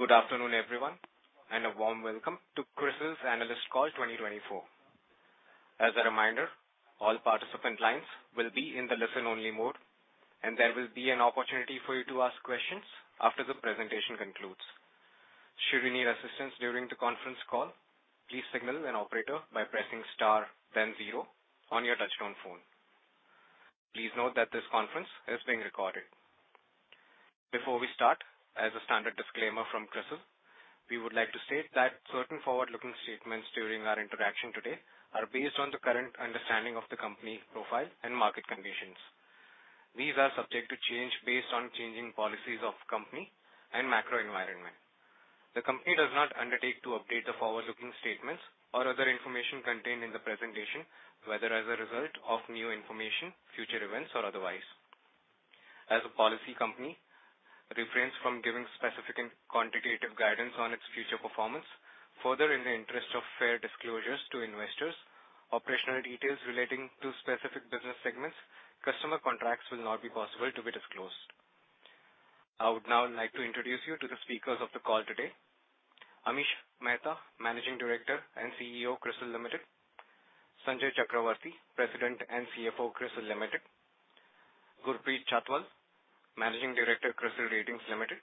Good afternoon, everyone, and a warm welcome to CRISIL's Analyst Call 2024. As a reminder, all participant lines will be in the listen-only mode, and there will be an opportunity for you to ask questions after the presentation concludes. Should you need assistance during the conference call, please signal an operator by pressing star, then zero, on your touch-tone phone. Please note that this conference is being recorded. Before we start, as a standard disclaimer from CRISIL, we would like to state that certain forward-looking statements during our interaction today are based on the current understanding of the company profile and market conditions. These are subject to change based on changing policies of the company and macro environment. The company does not undertake to update the forward-looking statements or other information contained in the presentation, whether as a result of new information, future events, or otherwise. As a policy, the company refrains from giving specific and quantitative guidance on its future performance. Further, in the interest of fair disclosures to investors, operational details relating to specific business segments, customer contracts will not be possible to be disclosed. I would now like to introduce you to the speakers of the call today: Amish Mehta, Managing Director and CEO, CRISIL Limited, Sanjay Chakravarti, President and CFO, CRISIL Limited, Gurpreet Chhatwal, Managing Director, CRISIL Ratings Limited,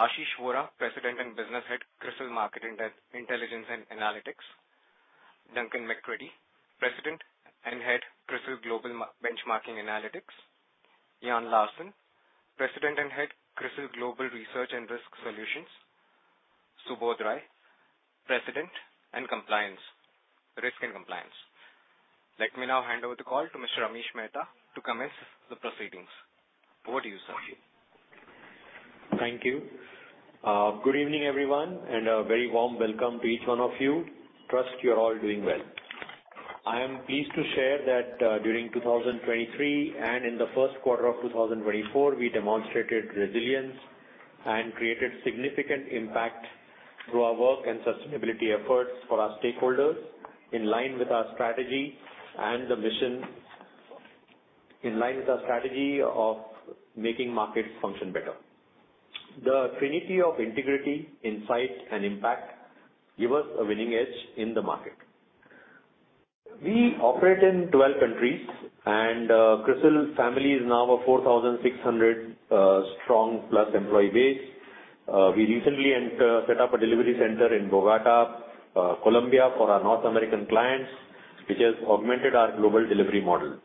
Ashish Vora, President and Business Head, CRISIL Market Intelligence and Analytics, Duncan McCredie, President and Head, CRISIL Global Benchmarking Analytics, Jan Larsen, President and Head, CRISIL Global Research and Risk Solutions, Subodh Rai, President, Risk and Compliance. Let me now hand over the call to Mr. Amish Mehta to commence the proceedings. Over to you, sir. Thank you. Good evening, everyone, and a very warm welcome to each one of you. Trust, you're all doing well. I am pleased to share that during 2023 and in the first quarter of 2024, we demonstrated resilience and created significant impact through our work and sustainability efforts for our stakeholders in line with our strategy and the mission in line with our strategy of making markets function better. The trinity of integrity, insight, and impact gave us a winning edge in the market. We operate in 12 countries, and CRISIL family is now a 4,600-strong-plus employee base. We recently set up a delivery center in Bogotá, Colombia, for our North American clients, which has augmented our global delivery model.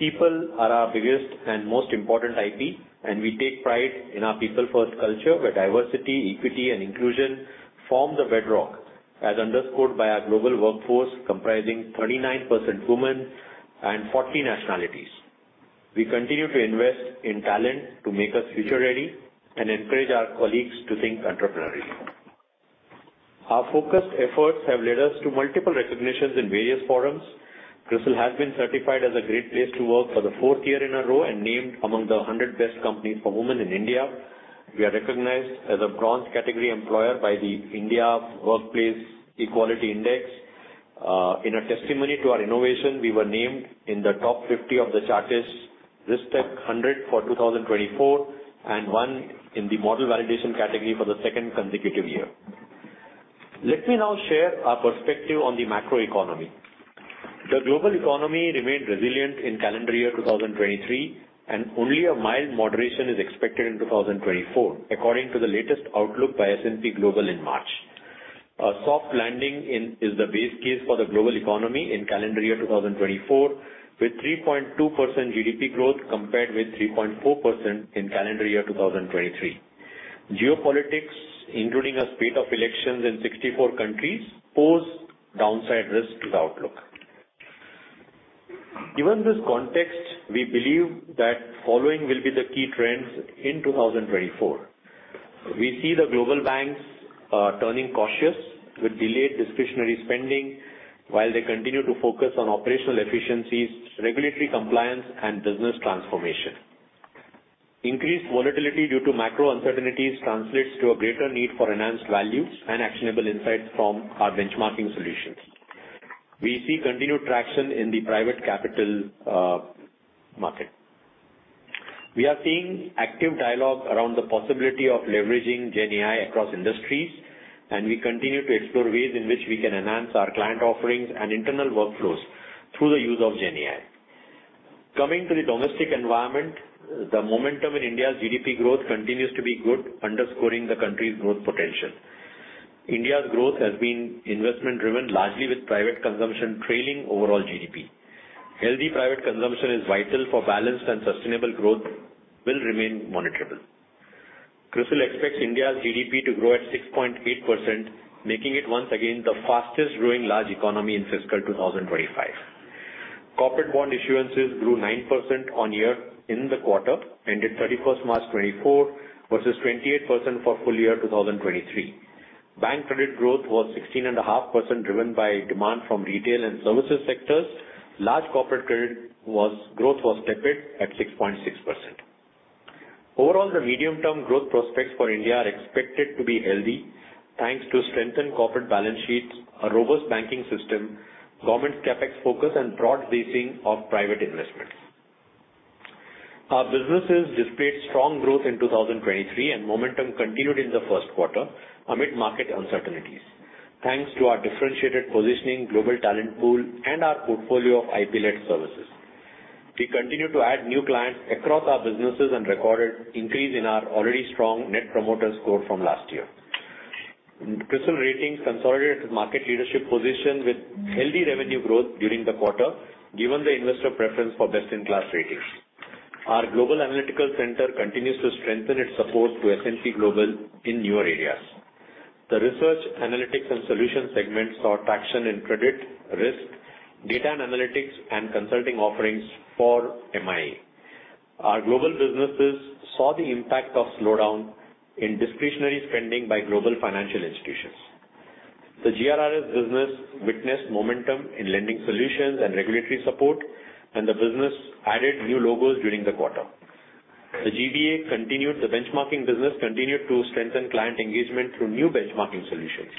People are our biggest and most important IP, and we take pride in our people-first culture where diversity, equity, and inclusion form the bedrock, as underscored by our global workforce comprising 39% women and 40 nationalities. We continue to invest in talent to make us future-ready and encourage our colleagues to think entrepreneurially. Our focused efforts have led us to multiple recognitions in various forums. CRISIL has been certified as a Great Place to Work for the fourth year in a row and named among the 100 best companies for women in India. We are recognized as a bronze category employer by the India Workplace Equality Index. In a testimony to our innovation, we were named in the top 50 of the Chartis RiskTech100 for 2024 and won in the model validation category for the second consecutive year. Let me now share our perspective on the macroeconomy. The global economy remained resilient in calendar year 2023, and only a mild moderation is expected in 2024, according to the latest outlook by S&P Global in March. A soft landing is the base case for the global economy in calendar year 2024, with 3.2% GDP growth compared with 3.4% in calendar year 2023. Geopolitics, including a spate of elections in 64 countries, poses downside risk to the outlook. Given this context, we believe that the following will be the key trends in 2024. We see the global banks turning cautious with delayed discretionary spending while they continue to focus on operational efficiencies, regulatory compliance, and business transformation. Increased volatility due to macro uncertainties translates to a greater need for enhanced values and actionable insights from our benchmarking solutions. We see continued traction in the private capital market. We are seeing active dialogue around the possibility of leveraging GenAI across industries, and we continue to explore ways in which we can enhance our client offerings and internal workflows through the use of GenAI. Coming to the domestic environment, the momentum in India's GDP growth continues to be good, underscoring the country's growth potential. India's growth has been investment-driven, largely with private consumption trailing overall GDP. Healthy private consumption is vital for balanced and sustainable growth, will remain monitorable. CRISIL expects India's GDP to grow at 6.8%, making it once again the fastest-growing large economy in fiscal 2025. Corporate bond issuances grew 9% on year-end the quarter, ended 31st March 2024, versus 28% for full year 2023. Bank credit growth was 16.5%, driven by demand from retail and services sectors. Large corporate credit growth was tepid at 6.6%. Overall, the medium-term growth prospects for India are expected to be healthy, thanks to strengthened corporate balance sheets, a robust banking system, government's CapEx focus, and broad basing of private investments. Our businesses displayed strong growth in 2023, and momentum continued in the first quarter amid market uncertainties, thanks to our differentiated positioning, global talent pool, and our portfolio of IP-led services. We continue to add new clients across our businesses and recorded an increase in our already strong net promoter score from last year. CRISIL Ratings consolidated its market leadership position with healthy revenue growth during the quarter, given the investor preference for best-in-class ratings. Our global analytical center continues to strengthen its support to S&P Global in newer areas. The research, analytics, and solutions segments saw traction in credit, risk, data and analytics, and consulting offerings for MIA. Our global businesses saw the impact of the slowdown in discretionary spending by global financial institutions. The GRRS business witnessed momentum in lending solutions and regulatory support, and the business added new logos during the quarter. The GBA continued the benchmarking business, continued to strengthen client engagement through new benchmarking solutions.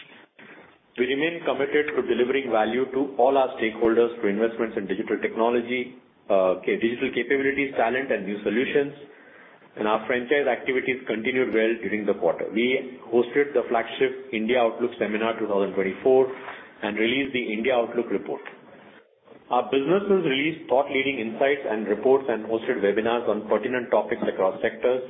We remain committed to delivering value to all our stakeholders through investments in digital technology, digital capabilities, talent, and new solutions, and our franchise activities continued well during the quarter. We hosted the flagship India Outlook Seminar 2024 and released the India Outlook Report. Our businesses released thought-leading insights and reports and hosted webinars on pertinent topics across sectors.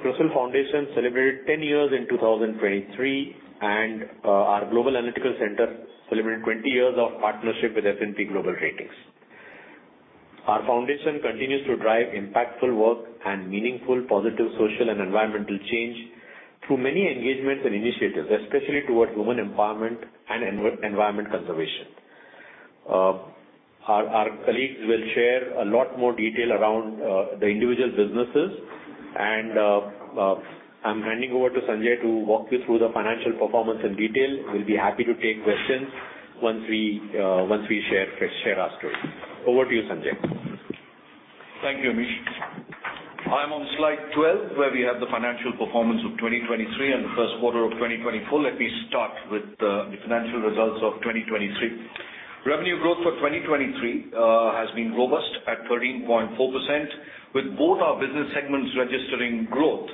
CRISIL Foundation celebrated 10 years in 2023, and our global analytical center celebrated 20 years of partnership with S&P Global Ratings. Our foundation continues to drive impactful work and meaningful positive social and environmental change through many engagements and initiatives, especially towards women empowerment and environment conservation. Our colleagues will share a lot more detail around the individual businesses, and I'm handing over to Sanjay to walk you through the financial performance in detail. We'll be happy to take questions once we share our story. Over to you, Sanjay. Thank you, Amish. I'm on slide 12, where we have the financial performance of 2023 and the first quarter of 2024. Let me start with the financial results of 2023. Revenue growth for 2023 has been robust at 13.4%, with both our business segments registering growth,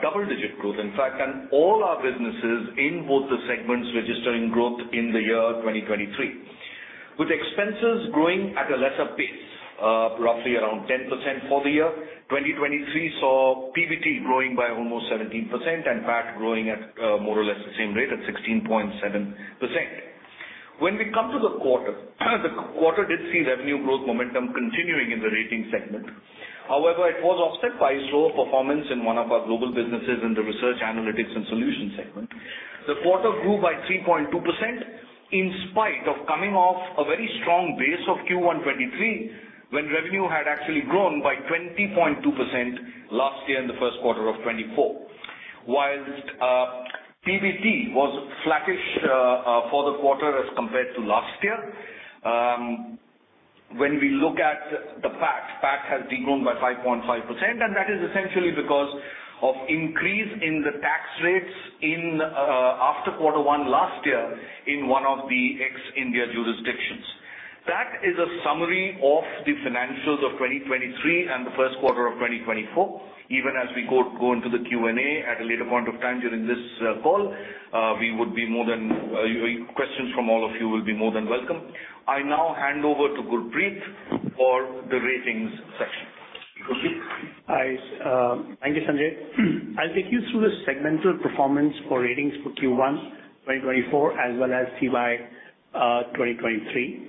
double-digit growth, in fact, and all our businesses in both the segments registering growth in the year 2023. With expenses growing at a lesser pace, roughly around 10% for the year, 2023 saw PBT growing by almost 17% and PAT growing at more or less the same rate, at 16.7%. When we come to the quarter, the quarter did see revenue growth momentum continuing in the rating segment. However, it was offset by slower performance in one of our global businesses in the research, analytics, and solutions segment. The quarter grew by 3.2% in spite of coming off a very strong base of Q1 2023 when revenue had actually grown by 20.2% last year in the first quarter of 2024, while PBT was flattish for the quarter as compared to last year. When we look at the PAT, PAT has degrown by 5.5%, and that is essentially because of an increase in the tax rates after quarter one last year in one of the ex-India jurisdictions. That is a summary of the financials of 2023 and the first quarter of 2024. Even as we go into the Q&A at a later point of time during this call, questions from all of you will be more than welcome. I now hand over to Gurpreet for the ratings section. Hi. Thank you, Sanjay. I'll take you through the segmental performance for ratings for Q1 2024 as well as CY 2023.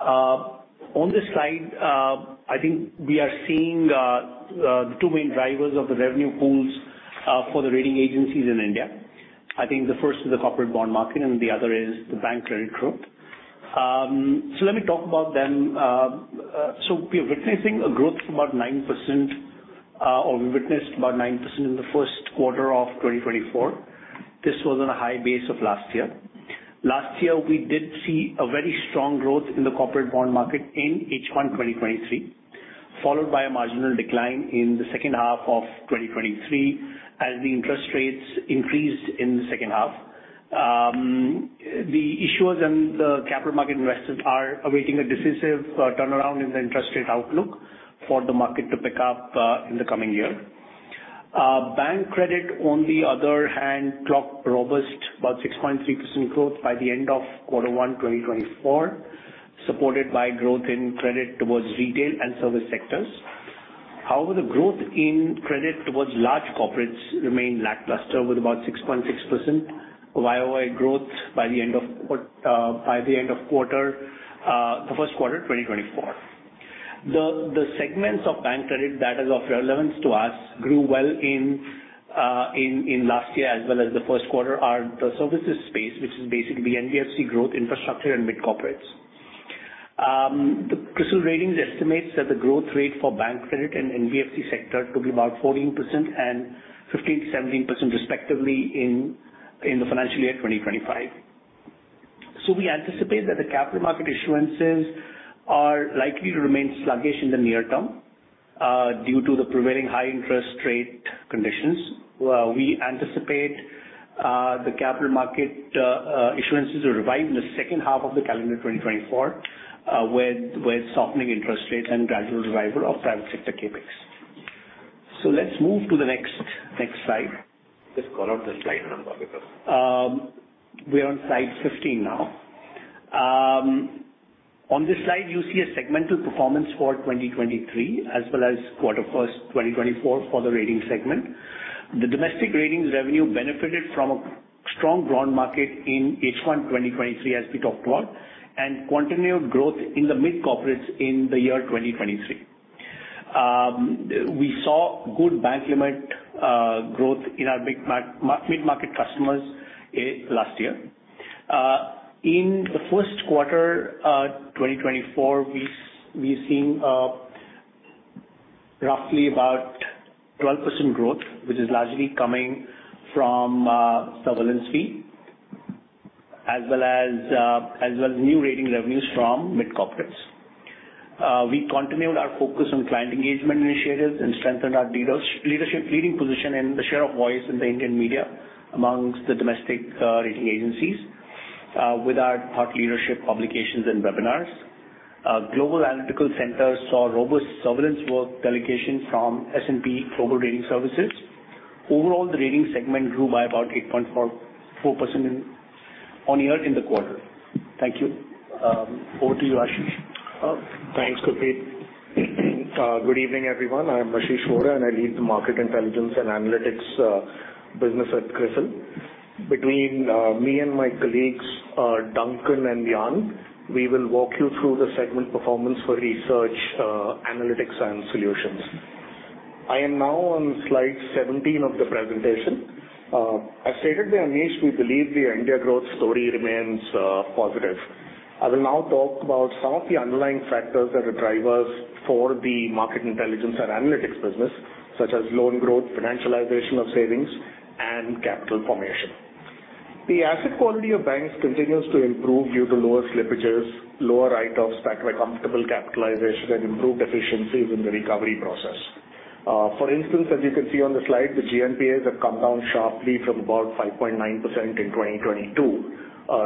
On this slide, I think we are seeing the two main drivers of the revenue pools for the rating agencies in India. I think the first is the corporate bond market, and the other is the bank credit growth. Let me talk about them. We are witnessing a growth of about 9%, or we witnessed about 9% in the first quarter of 2024. This was on a high base of last year. Last year, we did see a very strong growth in the corporate bond market in H1 2023, followed by a marginal decline in the second half of 2023 as the interest rates increased in the second half. The issuers and the capital market investors are awaiting a decisive turnaround in the interest rate outlook for the market to pick up in the coming year. Bank credit, on the other hand, clocked robust, about 6.3% growth by the end of quarter one 2024, supported by growth in credit towards retail and service sectors. However, the growth in credit towards large corporates remained lackluster, with about 6.6% YOY growth by the end of the first quarter 2024. The segments of bank credit that are of relevance to us grew well in last year as well as the first quarter are the services space, which is basically NBFC growth, infrastructure, and mid-corporates. The CRISIL Ratings estimates that the growth rate for bank credit and NBFC sector to be about 14% and 15%-17%, respectively, in the financial year 2025. So we anticipate that the capital market issuances are likely to remain sluggish in the near term due to the prevailing high-interest rate conditions. We anticipate the capital market issuances to revive in the second half of the calendar 2024, with softening interest rates and gradual revival of private sector CapEx. So let's move to the next slide. Just call out the slide number because. We're on slide 15 now. On this slide, you see a segmental performance for 2023 as well as first quarter 2024 for the rating segment. The domestic ratings revenue benefited from a strong bond market in H1 2023, as we talked about, and continued growth in the mid-corporates in the year 2023. We saw good bank limit growth in our mid-market customers last year. In the first quarter 2024, we're seeing roughly about 12% growth, which is largely coming from surveillance fee as well as new rating revenues from mid-corporates. We continued our focus on client engagement initiatives and strengthened our leading position and the share of voice in the Indian media amongst the domestic rating agencies with our thought leadership publications and webinars. Global analytical centers saw robust surveillance work delegation from S&P Global Ratings. Overall, the rating segment grew by about 8.4% on year in the quarter. Thank you. Over to you, Ashish. Thanks, Gurpreet. Good evening, everyone. I'm Ashish Vora, and I lead the Market Intelligence and Analytics business at CRISIL. Between me and my colleagues, Duncan and Jan, we will walk you through the segment performance for research, analytics, and solutions. I am now on slide 17 of the presentation. As stated by Amish, we believe the India growth story remains positive. I will now talk about some of the underlying factors that are drivers for the Market Intelligence and Analytics business, such as loan growth, financialization of savings, and capital formation. The asset quality of banks continues to improve due to lower slippages, lower write-offs backed by comfortable capitalization, and improved efficiencies in the recovery process. For instance, as you can see on the slide, the GNPAs have come down sharply from about 5.9% in 2022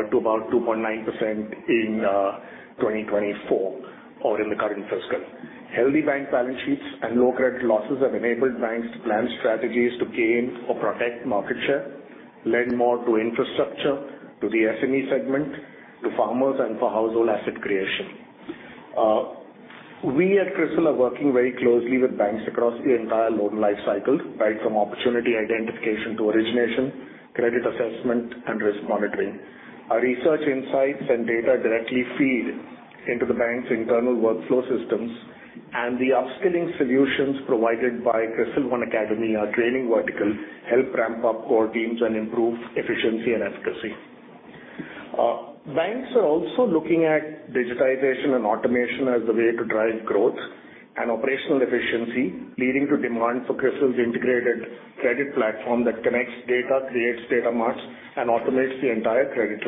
to about 2.9% in 2024 or in the current fiscal. Healthy bank balance sheets and low credit losses have enabled banks to plan strategies to gain or protect market share, lend more to infrastructure, to the SME segment, to farmers, and for household asset creation. We at CRISIL are working very closely with banks across the entire loan life cycle, right from opportunity identification to origination, credit assessment, and risk monitoring. Our research insights and data directly feed into the bank's internal workflow systems, and the upskilling solutions provided by CRISIL 1Academy or training vertical help ramp up core teams and improve efficiency and efficacy. Banks are also looking at digitization and automation as the way to drive growth and operational efficiency, leading to demand for CRISIL's integrated credit platform that connects data, creates Data Marts, and automates the entire credit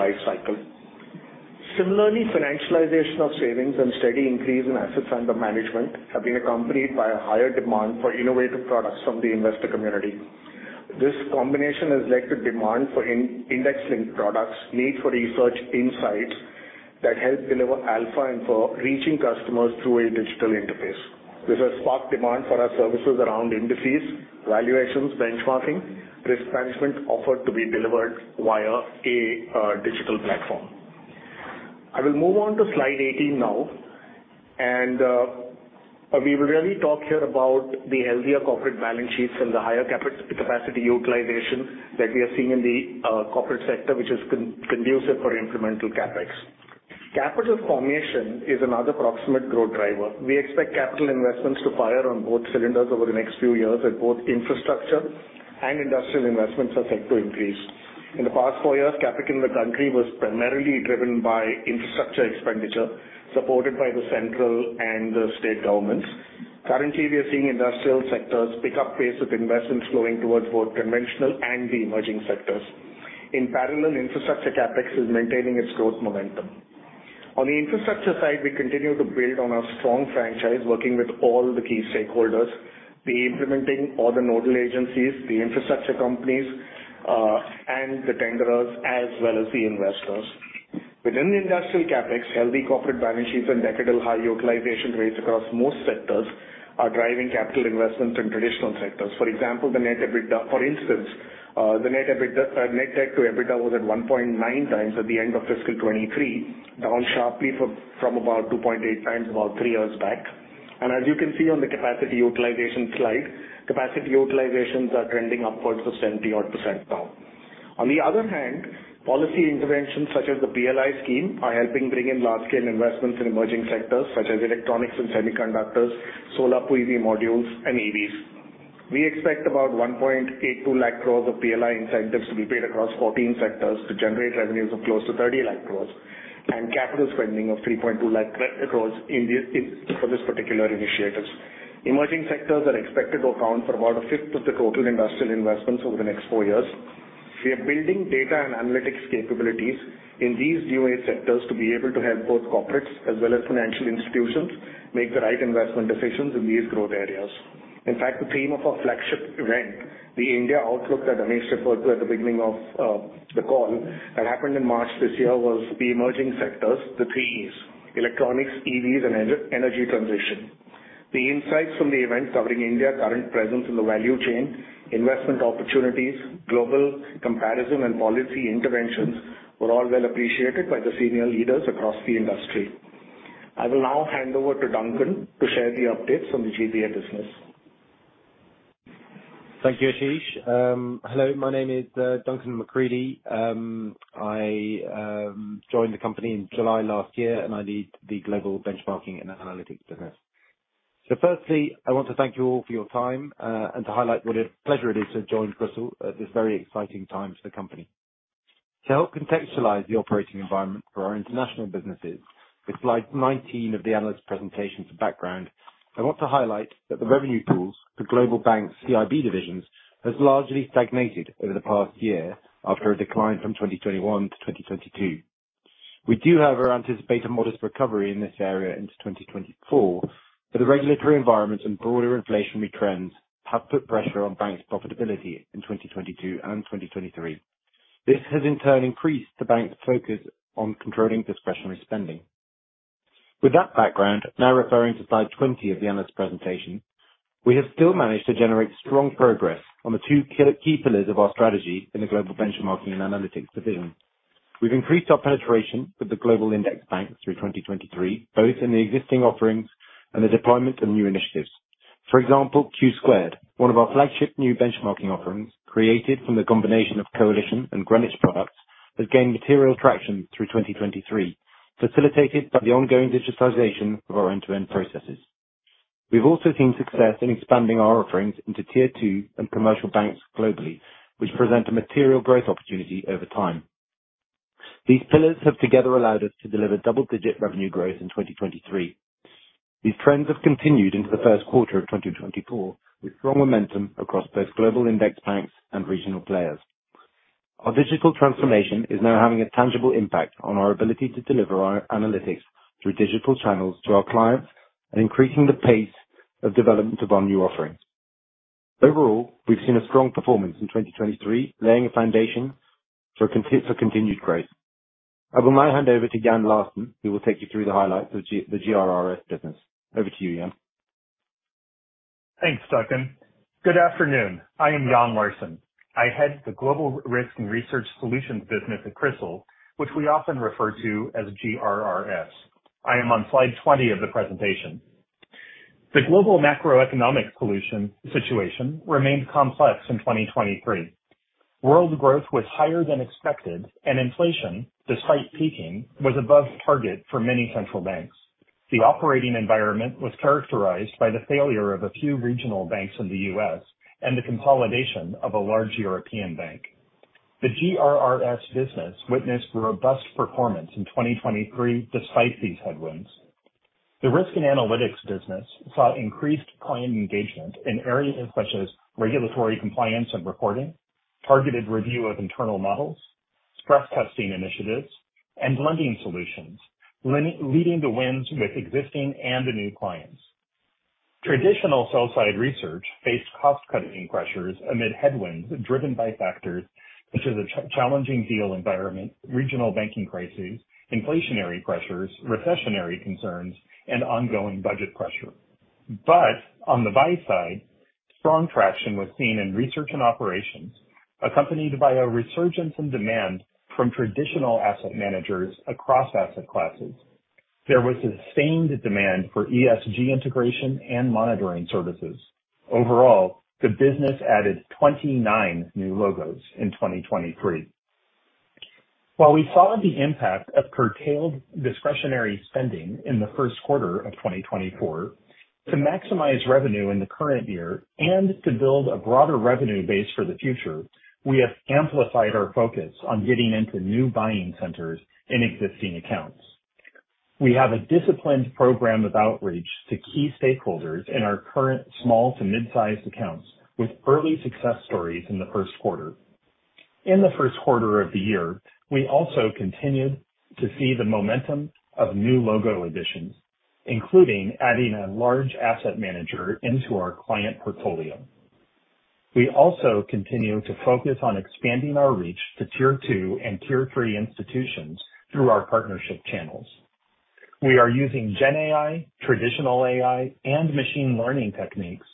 life cycle. Similarly, financialization of savings and steady increase in assets under management have been accompanied by a higher demand for innovative products from the investor community. This combination has led to demand for index-linked products, need for research insights that help deliver alpha and for reaching customers through a digital interface. This has sparked demand for our services around indices, valuations, benchmarking, risk management offered to be delivered via a digital platform. I will move on to slide 18 now, and we will really talk here about the healthier corporate balance sheets and the higher capacity utilization that we are seeing in the corporate sector, which is conducive for incremental CapEx. Capital formation is another proximate growth driver. We expect capital investments to fire on both cylinders over the next few years at both infrastructure and industrial investments are set to increase. In the past four years, CapEx in the country was primarily driven by infrastructure expenditure, supported by the central and the state governments. Currently, we are seeing industrial sectors pick up pace with investments flowing towards both conventional and the emerging sectors. In parallel, infrastructure CapEx is maintaining its growth momentum. On the infrastructure side, we continue to build on our strong franchise, working with all the key stakeholders, the implementing or the nodal agencies, the infrastructure companies, and the tenderers, as well as the investors. Within the industrial CapEx, healthy corporate balance sheets and decadal high utilization rates across most sectors are driving capital investments in traditional sectors. For example, the net EBITDA for instance, the net debt to EBITDA was at 1.9x at the end of fiscal 2023, down sharply from about 2.8x about three years back. As you can see on the capacity utilization slide, capacity utilizations are trending upwards of 70-odd% now. On the other hand, policy interventions such as the PLI scheme are helping bring in large-scale investments in emerging sectors such as electronics and semiconductors, solar PV modules, and EVs. We expect about 182,000 crore of PLI incentives to be paid across 14 sectors to generate revenues of close to 3,000,000 crore and capital spending of 320,000 crore for this particular initiative. Emerging sectors are expected to account for about a fifth of the total industrial investments over the next four years. We are building data and analytics capabilities in these new age sectors to be able to help both corporates as well as financial institutions make the right investment decisions in these growth areas. In fact, the theme of our flagship event, the India Outlook that Amish referred to at the beginning of the call that happened in March this year was the emerging sectors, the three E's: electronics, EVs, and energy transition. The insights from the event covering India, current presence in the value chain, investment opportunities, global comparison, and policy interventions were all well appreciated by the senior leaders across the industry. I will now hand over to Duncan to share the updates from the GBA business. Thank you, Ashish. Hello. My name is Duncan McCredie. I joined the company in July last year, and I lead the global benchmarking and analytics business. So firstly, I want to thank you all for your time and to highlight what a pleasure it is to join CRISIL at this very exciting time for the company. To help contextualize the operating environment for our international businesses, with slide 19 of the analyst presentation for background, I want to highlight that the revenue pools for global banks' CIB divisions have largely stagnated over the past year after a decline from 2021 to 2022. We do, however, anticipate a modest recovery in this area into 2024, but the regulatory environment and broader inflationary trends have put pressure on banks' profitability in 2022 and 2023. This has, in turn, increased the bank's focus on controlling discretionary spending. With that background, now referring to slide 20 of the analyst presentation, we have still managed to generate strong progress on the two key pillars of our strategy in the global benchmarking and analytics division. We've increased our penetration with the global index banks through 2023, both in the existing offerings and the deployment of new initiatives. For example, Q2, one of our flagship new benchmarking offerings created from the combination of Coalition and Greenwich products, has gained material traction through 2023, facilitated by the ongoing digitization of our end-to-end processes. We've also seen success in expanding our offerings into tier two and commercial banks globally, which present a material growth opportunity over time. These pillars have together allowed us to deliver double-digit revenue growth in 2023. These trends have continued into the first quarter of 2024 with strong momentum across both global index banks and regional players. Our digital transformation is now having a tangible impact on our ability to deliver our analytics through digital channels to our clients and increasing the pace of development of our new offerings. Overall, we've seen a strong performance in 2023, laying a foundation for continued growth. I will now hand over to Jan Larsen, who will take you through the highlights of the GRRS business. Over to you, Jan. Thanks, Duncan. Good afternoon. I am Jan Larsen. I head the global risk and research solutions business at CRISIL, which we often refer to as GRRS. I am on slide 20 of the presentation. The global macroeconomic situation remained complex in 2023. World growth was higher than expected, and inflation, despite peaking, was above target for many central banks. The operating environment was characterized by the failure of a few regional banks in the U.S. And the consolidation of a large European bank. The GRRS business witnessed robust performance in 2023 despite these headwinds. The risk and analytics business saw increased client engagement in areas such as regulatory compliance and reporting, targeted review of internal models, stress testing initiatives, and lending solutions, leading the way with existing and new clients. Traditional sell-side research faced cost-cutting pressures amid headwinds driven by factors such as a challenging deal environment, regional banking crises, inflationary pressures, recessionary concerns, and ongoing budget pressure. But on the buy side, strong traction was seen in research and operations, accompanied by a resurgence in demand from traditional asset managers across asset classes. There was sustained demand for ESG integration and monitoring services. Overall, the business added 29 new logos in 2023. While we saw the impact of curtailed discretionary spending in the first quarter of 2024, to maximize revenue in the current year and to build a broader revenue base for the future, we have amplified our focus on getting into new buying centers in existing accounts. We have a disciplined program of outreach to key stakeholders in our current small to midsized accounts with early success stories in the first quarter. In the first quarter of the year, we also continued to see the momentum of new logo additions, including adding a large asset manager into our client portfolio. We also continue to focus on expanding our reach to tier two and tier three institutions through our partnership channels. We are using GenAI, traditional AI, and machine learning techniques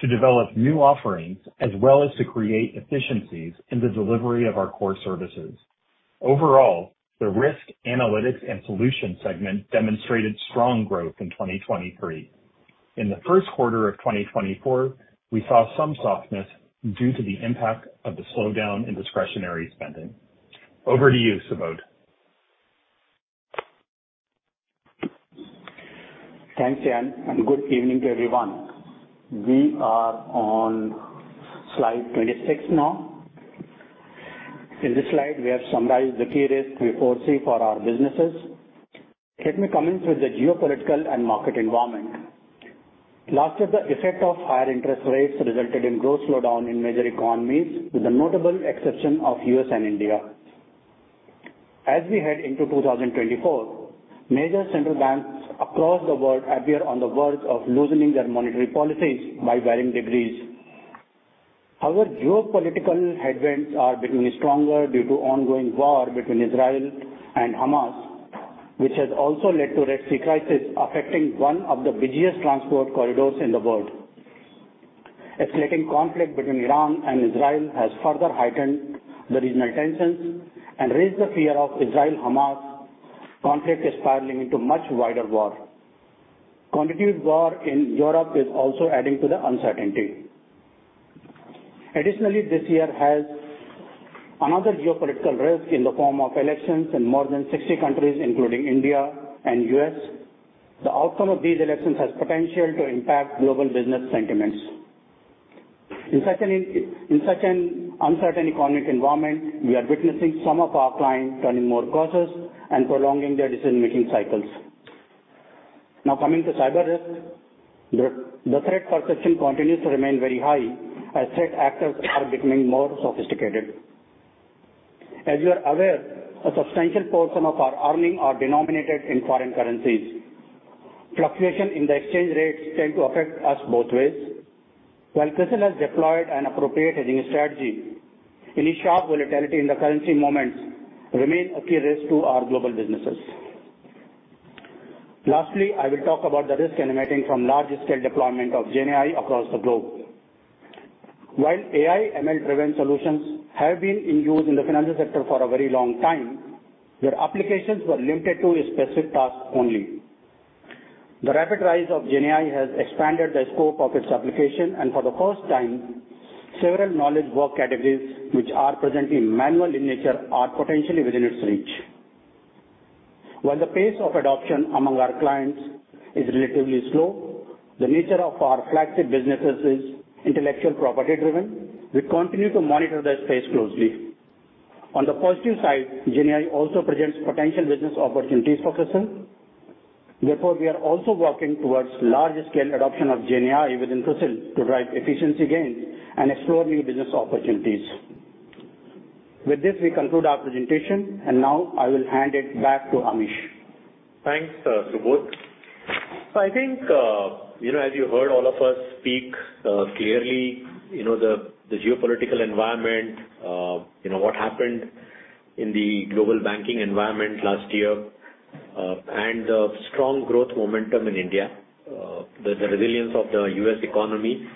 to develop new offerings as well as to create efficiencies in the delivery of our core services. Overall, the risk, analytics, and solution segment demonstrated strong growth in 2023. In the first quarter of 2024, we saw some softness due to the impact of the slowdown in discretionary spending. Over to you, Subodh. Thanks, Jan, and good evening to everyone. We are on slide 26 now. In this slide, we have summarized the key risks we foresee for our businesses. Let me commence with the geopolitical and market environment. Last year, the effect of higher interest rates resulted in growth slowdown in major economies, with a notable exception of U.S. and India. As we head into 2024, major central banks across the world appear on the verge of loosening their monetary policies by varying degrees. However, geopolitical headwinds are becoming stronger due to ongoing war between Israel and Hamas, which has also led to Red Sea crisis affecting one of the busiest transport corridors in the world. Escalating conflict between Iran and Israel has further heightened the regional tensions and raised the fear of Israel-Hamas conflict spiraling into much wider war. Continued war in Europe is also adding to the uncertainty. Additionally, this year has another geopolitical risk in the form of elections in more than 60 countries, including India and U.S. The outcome of these elections has potential to impact global business sentiments. In such an uncertain economic environment, we are witnessing some of our clients turning more cautious and prolonging their decision-making cycles. Now, coming to cyber risk, the threat perception continues to remain very high as threat actors are becoming more sophisticated. As you are aware, a substantial portion of our earnings are denominated in foreign currencies. Fluctuation in the exchange rates tends to affect us both ways. While CRISIL has deployed an appropriate hedging strategy, any sharp volatility in the currency movements remains a key risk to our global businesses. Lastly, I will talk about the risk emanating from large-scale deployment of GenAI across the globe. While AI/ML-driven solutions have been in use in the financial sector for a very long time, their applications were limited to a specific task only. The rapid rise of GenAI has expanded the scope of its application, and for the first time, several knowledge work categories, which are presently manual in nature, are potentially within its reach. While the pace of adoption among our clients is relatively slow, the nature of our flagship businesses is intellectual property-driven. We continue to monitor this space closely. On the positive side, GenAI also presents potential business opportunities for CRISIL. Therefore, we are also working towards large-scale adoption of GenAI within CRISIL to drive efficiency gains and explore new business opportunities. With this, we conclude our presentation, and now I will hand it back to Amish. Thanks, Subodh. So I think, as you heard all of us speak clearly, the geopolitical environment, what happened in the global banking environment last year, and the strong growth momentum in India, the resilience of the US economy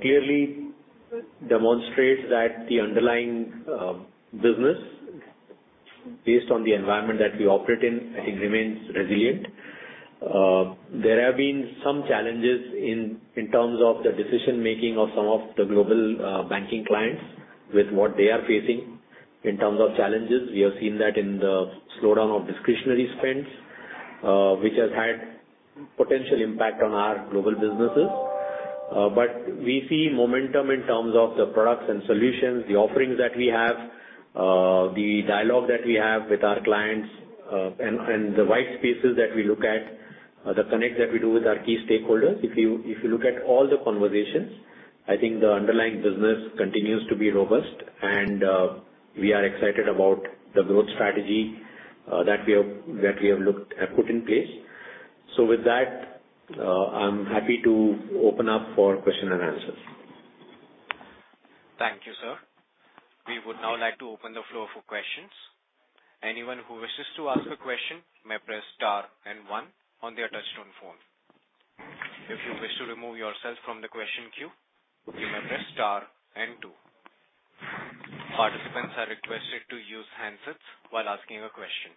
clearly demonstrates that the underlying business, based on the environment that we operate in, I think remains resilient. There have been some challenges in terms of the decision-making of some of the global banking clients with what they are facing in terms of challenges. We have seen that in the slowdown of discretionary spends, which has had potential impact on our global businesses. But we see momentum in terms of the products and solutions, the offerings that we have, the dialogue that we have with our clients, and the white spaces that we look at, the connect that we do with our key stakeholders. If you look at all the conversations, I think the underlying business continues to be robust, and we are excited about the growth strategy that we have put in place. So with that, I'm happy to open up for questions and answers. Thank you, sir. We would now like to open the floor for questions. Anyone who wishes to ask a question may press star and one on their touch-tone phone. If you wish to remove yourself from the question queue, you may press star and two. Participants are requested to use handsets while asking a question.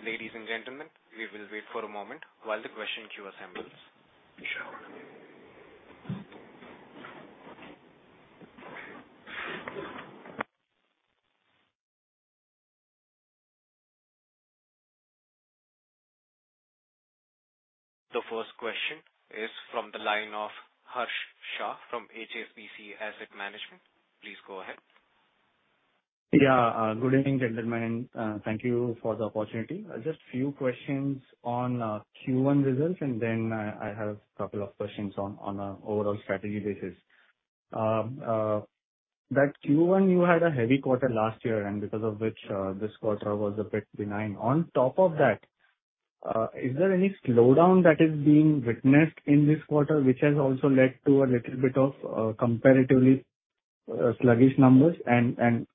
Ladies and gentlemen, we will wait for a moment while the question queue assembles. Sure. The first question is from the line of Harsh Shah from HSBC Asset Management. Please go ahead. Yeah. Good evening, gentlemen. Thank you for the opportunity. Just a few questions on Q1 results, and then I have a couple of questions on an overall strategy basis. That Q1, you had a heavy quarter last year, and because of which this quarter was a bit benign. On top of that, is there any slowdown that is being witnessed in this quarter, which has also led to a little bit of comparatively sluggish numbers? And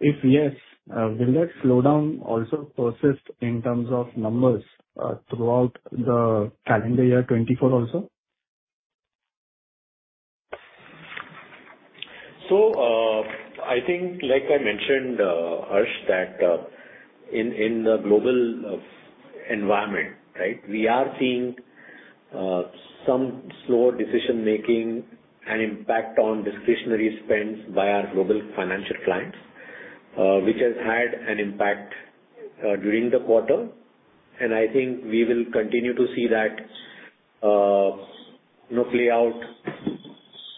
if yes, will that slowdown also persist in terms of numbers throughout the calendar year 2024 also? So I think, like I mentioned, Harsh, that in the global environment, right, we are seeing some slower decision-making and impact on discretionary spends by our global financial clients, which has had an impact during the quarter. And I think we will continue to see that play out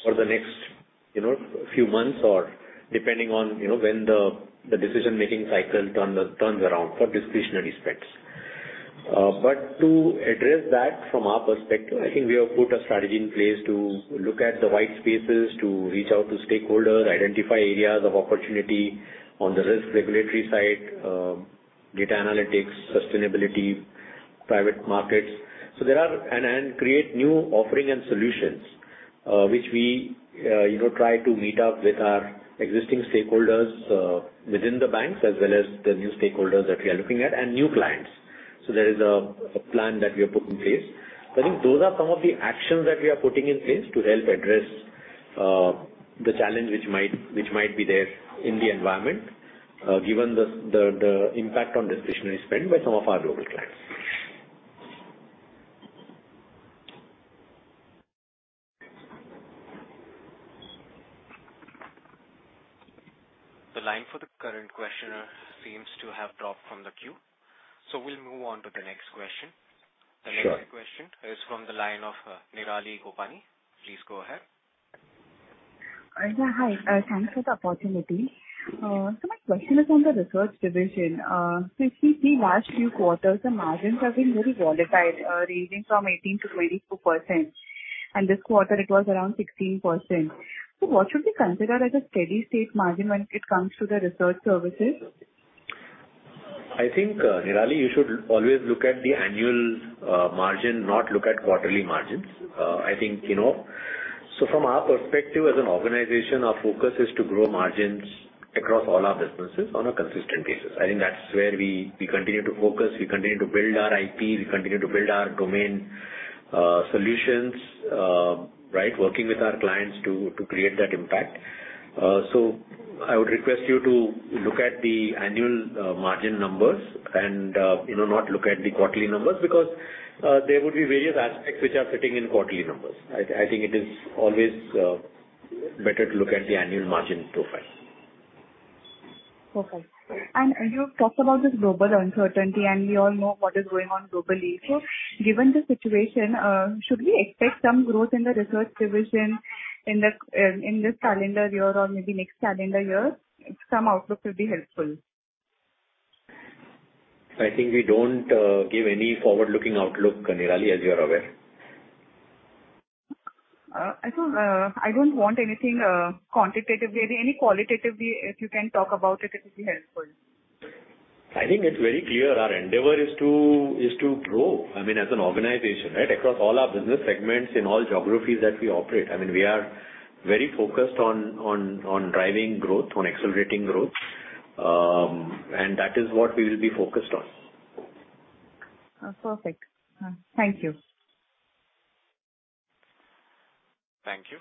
for the next few months or depending on when the decision-making cycle turns around for discretionary spends. But to address that from our perspective, I think we have put a strategy in place to look at the white spaces, to reach out to stakeholders, identify areas of opportunity on the risk regulatory side, data analytics, sustainability, private markets. So there are and create new offerings and solutions, which we try to meet up with our existing stakeholders within the banks as well as the new stakeholders that we are looking at and new clients. There is a plan that we have put in place. I think those are some of the actions that we are putting in place to help address the challenge which might be there in the environment given the impact on discretionary spend by some of our global clients. The line for the current questioner seems to have dropped from the queue, so we'll move on to the next question. The next question is from the line of Nirali Gopani. Please go ahead. Yeah. Hi. Thanks for the opportunity. So my question is on the research division. So if you see last few quarters, the margins have been very volatile, ranging from 18%-22%. And this quarter, it was around 16%. So what should we consider as a steady state margin when it comes to the research services? I think, Nirali, you should always look at the annual margin, not look at quarterly margins. I think so from our perspective, as an organization, our focus is to grow margins across all our businesses on a consistent basis. I think that's where we continue to focus. We continue to build our IP. We continue to build our domain solutions, right, working with our clients to create that impact. So I would request you to look at the annual margin numbers and not look at the quarterly numbers because there would be various aspects which are fitting in quarterly numbers. I think it is always better to look at the annual margin profile. Okay. And you've talked about this global uncertainty, and we all know what is going on globally. So given the situation, should we expect some growth in the research division in this calendar year or maybe next calendar year? Some outlook could be helpful. I think we don't give any forward-looking outlook, Nirali, as you are aware. I don't want anything quantitatively. Any qualitatively, if you can talk about it, it would be helpful. I think it's very clear our endeavor is to grow, I mean, as an organization, right, across all our business segments in all geographies that we operate. I mean, we are very focused on driving growth, on accelerating growth, and that is what we will be focused on. Perfect. Thank you. Thank you.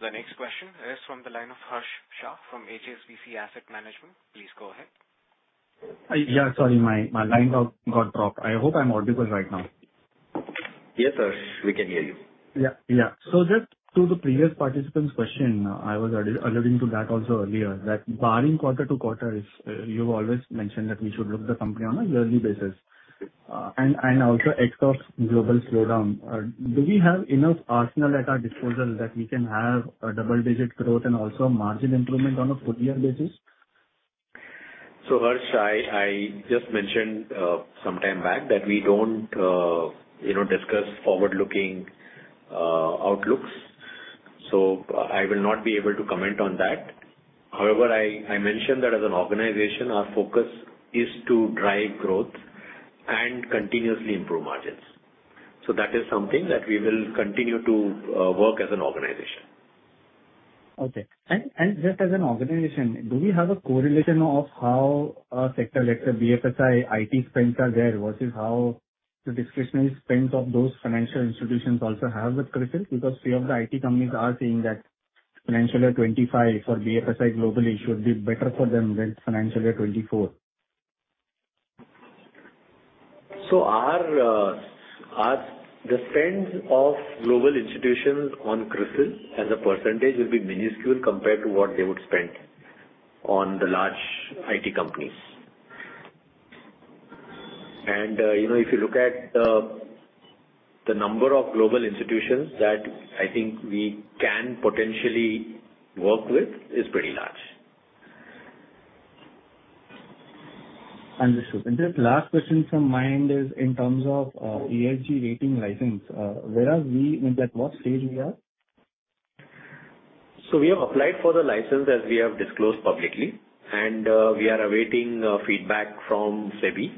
The next question is from the line of Harsh Shah from HSBC Asset Management. Please go ahead. Yeah. Sorry. My line got dropped. I hope I'm audible right now. Yes, sir. We can hear you. Yeah. Yeah. So just to the previous participant's question, I was alluding to that also earlier, that barring quarter-to-quarter, you've always mentioned that we should look at the company on a yearly basis and also ex global slowdown. Do we have enough arsenal at our disposal that we can have double-digit growth and also margin improvement on a full-year basis? Harsh, I just mentioned some time back that we don't discuss forward-looking outlooks, so I will not be able to comment on that. However, I mentioned that as an organization, our focus is to drive growth and continuously improve margins. That is something that we will continue to work as an organization. Okay. And just as an organization, do we have a correlation of how sector, let's say, BFSI IT spends are there versus how the discretionary spends of those financial institutions also have with CRISIL? Because three of the IT companies are saying that financial year 2025 for BFSI globally should be better for them than financial year 2024. So the spends of global institutions on CRISIL as a percentage will be minuscule compared to what they would spend on the large IT companies. And if you look at the number of global institutions that I think we can potentially work with, it's pretty large. Understood. Just last question from my end is in terms of ESG ratings license. Where are we? What stage we are? We have applied for the license as we have disclosed publicly, and we are awaiting feedback from SEBI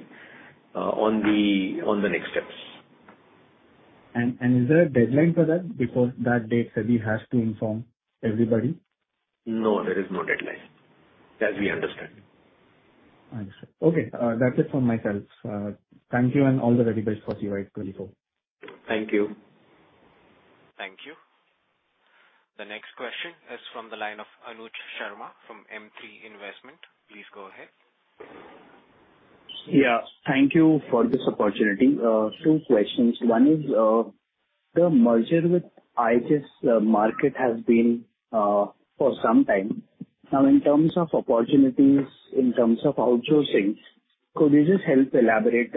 on the next steps. Is there a deadline for that? Before that date, SEBI has to inform everybody? No. There is no deadline, as we understand. Understood. Okay. That's it from myself. Thank you, and all the very best for CY2024. Thank you. Thank you. The next question is from the line of Anuj Sharma from M3 Investment. Please go ahead. Yeah. Thank you for this opportunity. two questions. One is the merger with IHS Markit has been for some time. Now, in terms of opportunities, in terms of outsourcing, could you just help elaborate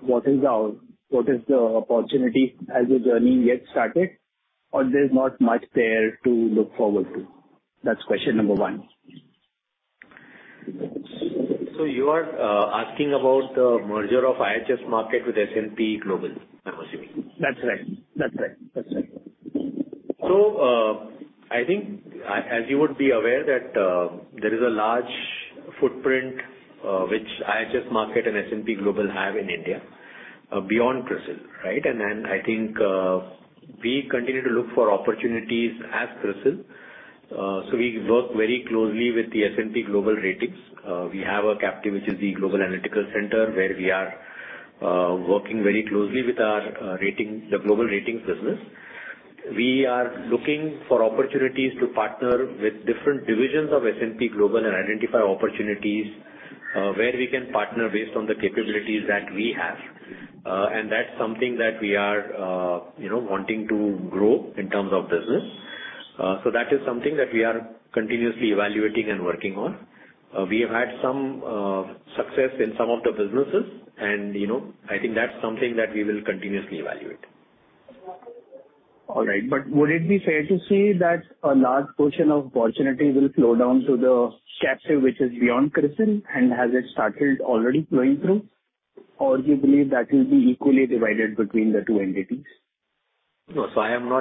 what is the opportunity as the journey gets started, or there's not much there to look forward to? That's question number one. So you are asking about the merger of IHS Markit with S&P Global, I'm assuming? That's right. That's right. That's right. So I think, as you would be aware, that there is a large footprint which IHS Markit and S&P Global have in India beyond CRISIL, right? And then I think we continue to look for opportunities as CRISIL. So we work very closely with the S&P Global Ratings. We have a captive, which is the Global Analytical Center, where we are working very closely with the global ratings business. We are looking for opportunities to partner with different divisions of S&P Global and identify opportunities where we can partner based on the capabilities that we have. And that's something that we are wanting to grow in terms of business. So that is something that we are continuously evaluating and working on. We have had some success in some of the businesses, and I think that's something that we will continuously evaluate. All right. Would it be fair to say that a large portion of opportunity will flow down to the captive, which is beyond CRISIL, and has it started already flowing through, or do you believe that will be equally divided between the two entities? No. So I am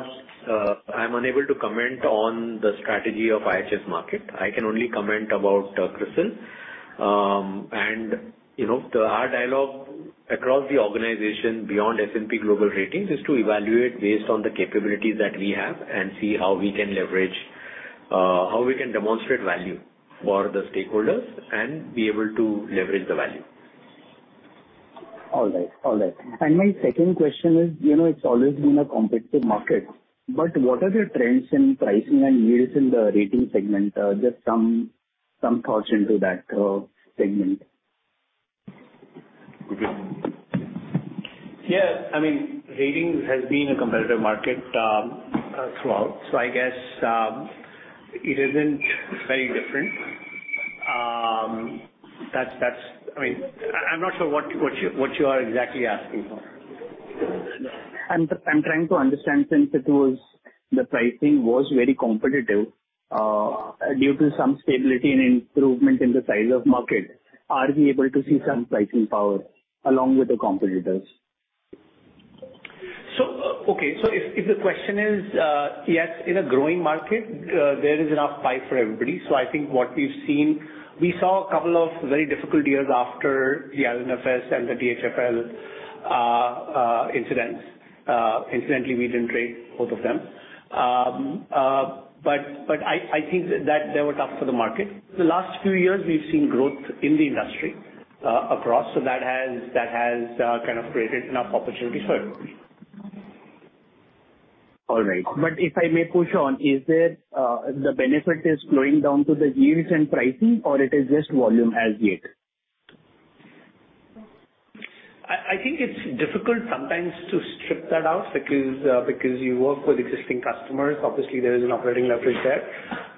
unable to comment on the strategy of IHS Markit. I can only comment about CRISIL. Our dialogue across the organization beyond S&P Global Ratings is to evaluate based on the capabilities that we have and see how we can leverage how we can demonstrate value for the stakeholders and be able to leverage the value. All right. All right. My second question is, it's always been a competitive market, but what are the trends in pricing and yields in the rating segment? Just some thoughts into that segment. Yeah. I mean, rating has been a competitive market throughout, so I guess it isn't very different. I mean, I'm not sure what you are exactly asking for. I'm trying to understand since the pricing was very competitive due to some stability and improvement in the size of market, are we able to see some pricing power along with the competitors? Okay. So if the question is, yes, in a growing market, there is enough pie for everybody. So I think what we've seen a couple of very difficult years after the IL&FS and the DHFL incidents. Incidentally, we didn't trade both of them, but I think that they were tough for the market. The last few years, we've seen growth in the industry across, so that has kind of created enough opportunities for everybody. All right. But if I may push on, is there the benefit is flowing down to the yields and pricing, or it is just volume as yet? I think it's difficult sometimes to strip that out because you work with existing customers. Obviously, there is an operating leverage there,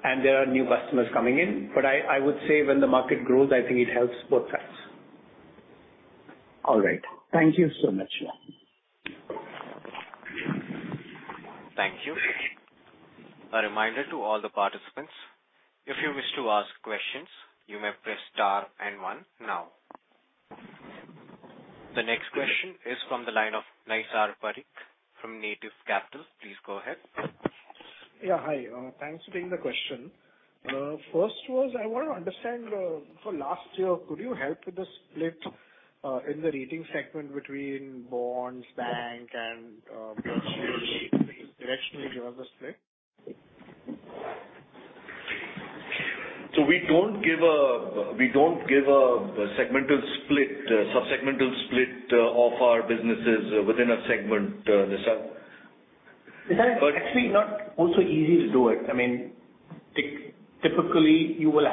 and there are new customers coming in. But I would say when the market grows, I think it helps both sides. All right. Thank you so much. Thank you. A reminder to all the participants, if you wish to ask questions, you may press star and one now. The next question is from the line of Naisar Parikh from Native Capital. Please go ahead. Yeah. Hi. Thanks for taking the question. First was I want to understand, for last year, could you help with the split in the rating segment between bonds, bank, and virtual? Could you directionally give us the split? We don't give a subsegmental split of our businesses within a segment, Naisar. Naisar, it's actually not also easy to do it. I mean, typically, you will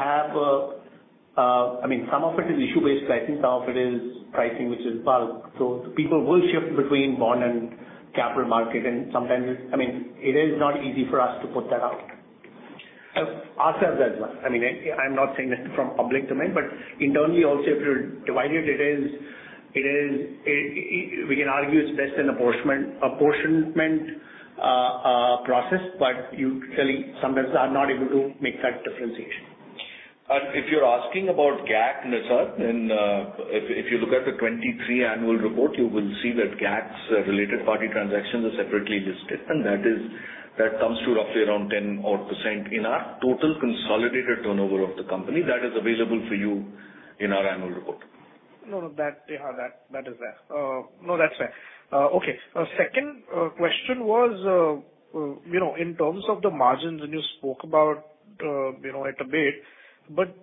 have—I mean, some of it is issue-based pricing. Some of it is pricing which is bulk. So people will shift between bond and capital market, and sometimes it—I mean, it is not easy for us to put that out. Ask us as well. I mean, I'm not saying this from public domain, but internally also, if you divide it, it is—we can argue it's best an apportionment process, but you really sometimes are not able to make that differentiation. If you're asking about GAAC, Naisar, then if you look at the 2023 annual report, you will see that GAAC's related party transactions are separately listed, and that comes to roughly around 10% in our total consolidated turnover of the company that is available for you in our annual report. No, no. Yeah. That is fair. No, that's fair. Okay. Second question was in terms of the margins, and you spoke about it a bit, but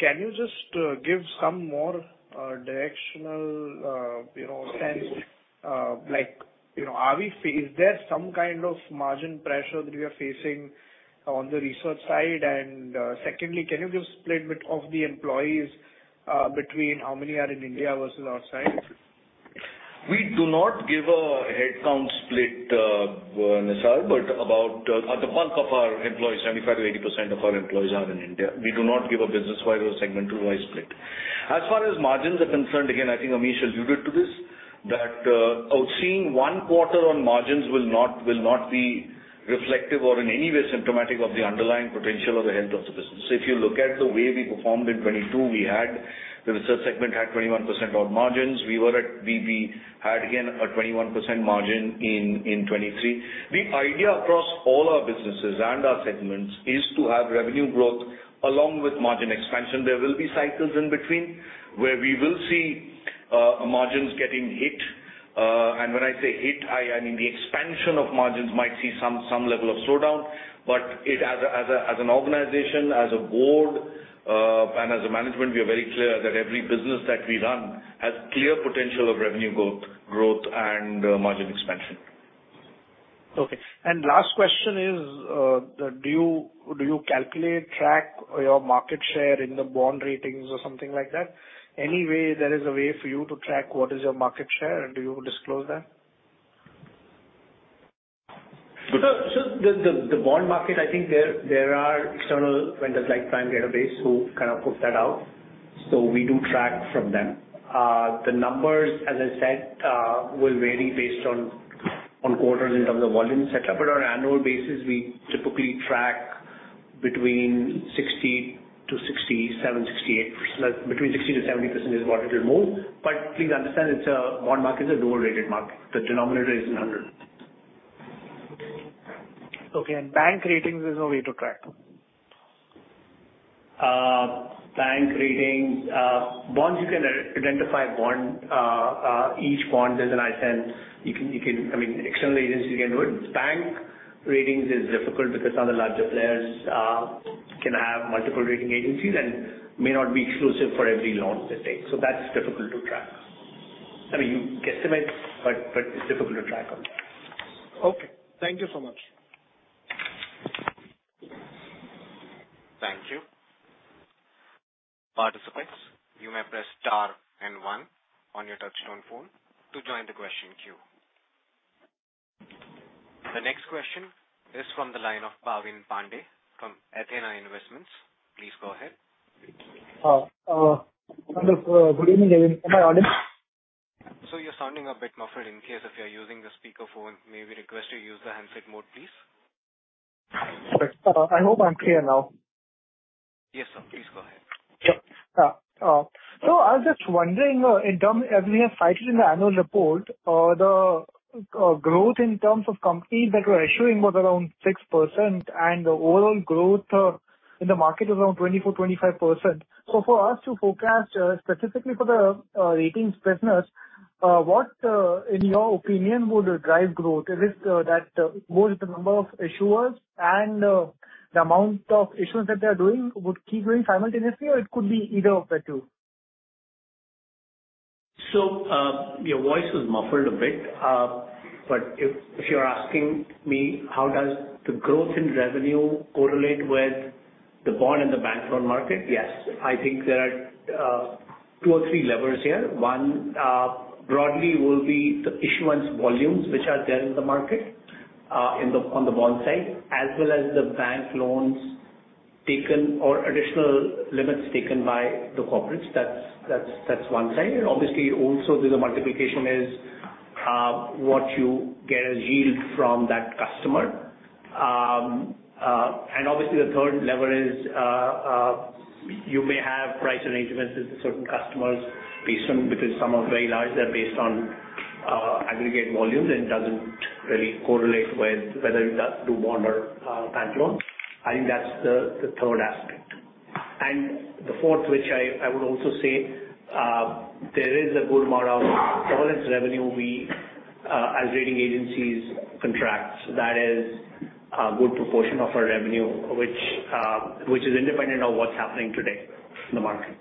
can you just give some more directional sense? Is there some kind of margin pressure that we are facing on the research side? And secondly, can you give a split of the employees between how many are in India versus outside? We do not give a headcount split, Naisar, but about the bulk of our employees, 75%-80% of our employees are in India. We do not give a business-wide or segmental-wide split. As far as margins are concerned, again, I think Amish alluded to this, that seeing one quarter on margins will not be reflective or in any way symptomatic of the underlying potential or the health of the business. If you look at the way we performed in 2022, the research segment had 21% odd margins. We had, again, a 21% margin in 2023. The idea across all our businesses and our segments is to have revenue growth along with margin expansion. There will be cycles in between where we will see margins getting hit. When I say hit, I mean the expansion of margins might see some level of slowdown, but as an organization, as a board, and as a management, we are very clear that every business that we run has clear potential of revenue growth and margin expansion. Okay. Last question is, do you calculate, track your market share in the bond ratings or something like that? Is there any way for you to track what is your market share, and do you disclose that? So the bond market, I think there are external vendors like Prime Database who kind of put that out, so we do track from them. The numbers, as I said, will vary based on quarters in terms of volume, etc., but on an annual basis, we typically track between 60%-70% is what it will move. But please understand, the bond market is a dual-rated market. The denominator isn't 100. Okay. Bank ratings, there's no way to track? Bank ratings, bonds, you can identify each bond as an ISIN. I mean, external agencies, you can do it. Bank ratings is difficult because some of the larger players can have multiple rating agencies and may not be exclusive for every loan they take. So that's difficult to track. I mean, you can estimate, but it's difficult to track on that. Okay. Thank you so much. Thank you. Participants, you may press star and one on your touch-tone phone to join the question queue. The next question is from the line of Bhavin Pande from Athena Investments. Please go ahead. Good evening, Bhavin. Am I audible? You're sounding a bit muffled. In case if you're using the speakerphone, may we request you use the handset mode, please? I hope I'm clear now. Yes, sir. Please go ahead. Sure. So I was just wondering, as we have cited in the annual report, the growth in terms of companies that were issuing was around 6%. And the overall growth in the market was around 24%-25%. So for us to forecast, specifically for the ratings business, what, in your opinion, would drive growth? Is it that both the number of issuers and the amount of issuance that they are doing would keep going simultaneously, or it could be either of the two? So your voice was muffled a bit, but if you're asking me how does the growth in revenue correlate with the bond and the bank loan market, yes, I think there are two or three levers here. One, broadly, will be the issuance volumes which are there in the market on the bond side, as well as the bank loans taken or additional limits taken by the corporates. That's one side. Obviously, also, the multiplication is what you get as yield from that customer. And obviously, the third lever is you may have price arrangements with certain customers because some are very large. They're based on aggregate volumes and doesn't really correlate with whether you do bond or bank loans. I think that's the third aspect. And the fourth, which I would also say, there is a good amount of subscription revenue we, as rating agencies, contract. That is a good proportion of our revenue, which is independent of what's happening today in the market.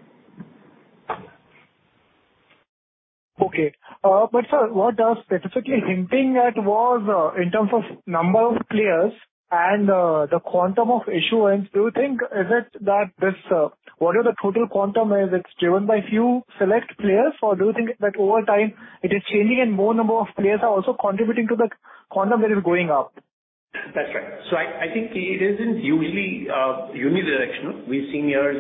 Okay. But, sir, what does specifically hinting at was in terms of number of players and the quantum of issuance, do you think is it that this whatever the total quantum is, it's driven by few select players, or do you think that over time, it is changing and more number of players are also contributing to the quantum that is going up? That's right. So I think it isn't usually unidirectional. We've seen years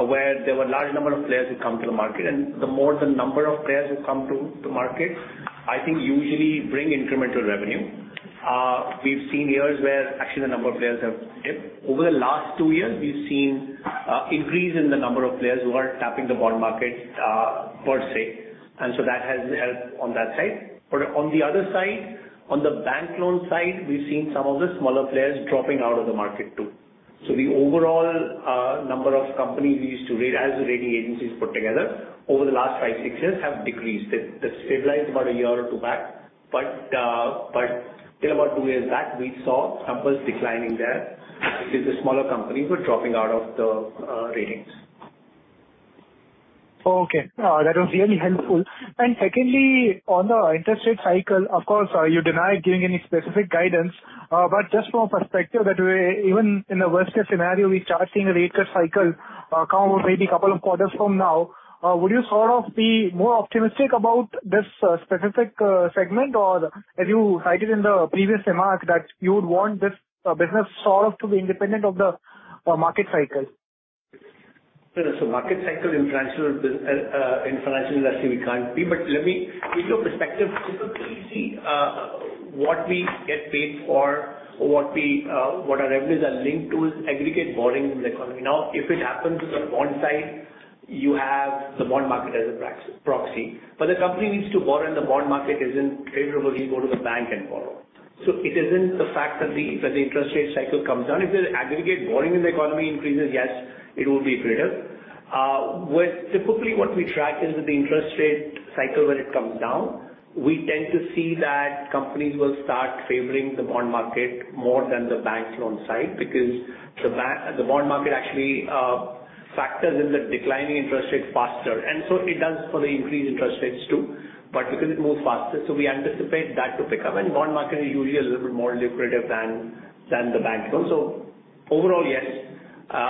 where there were a large number of players who come to the market, and the more the number of players who come to the market, I think, usually bring incremental revenue. We've seen years where actually the number of players have dipped. Over the last 2 years, we've seen an increase in the number of players who are tapping the bond market per se, and so that has helped on that side. But on the other side, on the bank loan side, we've seen some of the smaller players dropping out of the market too. So the overall number of companies we used to rate as the rating agencies put together over the last 5, 6 years have decreased. They've stabilized about 1 year or 2 back, but till about 2 years back, we saw numbers declining there because the smaller companies were dropping out of the ratings. Okay. That was really helpful. And secondly, on the interest rate cycle, of course, you deny giving any specific guidance, but just from a perspective that even in the worst-case scenario, we start seeing a rate cut cycle maybe a couple of quarters from now, would you sort of be more optimistic about this specific segment, or as you cited in the previous remark, that you would want this business sort of to be independent of the market cycle? So, market cycle in financial industry, we can't be, but let me in your perspective, typically, see what we get paid for or what our revenues are linked to is aggregate borrowing in the economy. Now, if it happens on the bond side, you have the bond market as a proxy. But the company needs to borrow, and the bond market isn't favorable. Go to the bank and borrow. So it isn't the fact that the interest rate cycle comes down. If the aggregate borrowing in the economy increases, yes, it will be greater. Typically, what we track is with the interest rate cycle, when it comes down, we tend to see that companies will start favoring the bond market more than the bank loan side because the bond market actually factors in the declining interest rate faster. So it does for the increased interest rates too, but because it moves faster, so we anticipate that to pick up. The bond market is usually a little bit more lucrative than the bank loan. Overall, yes,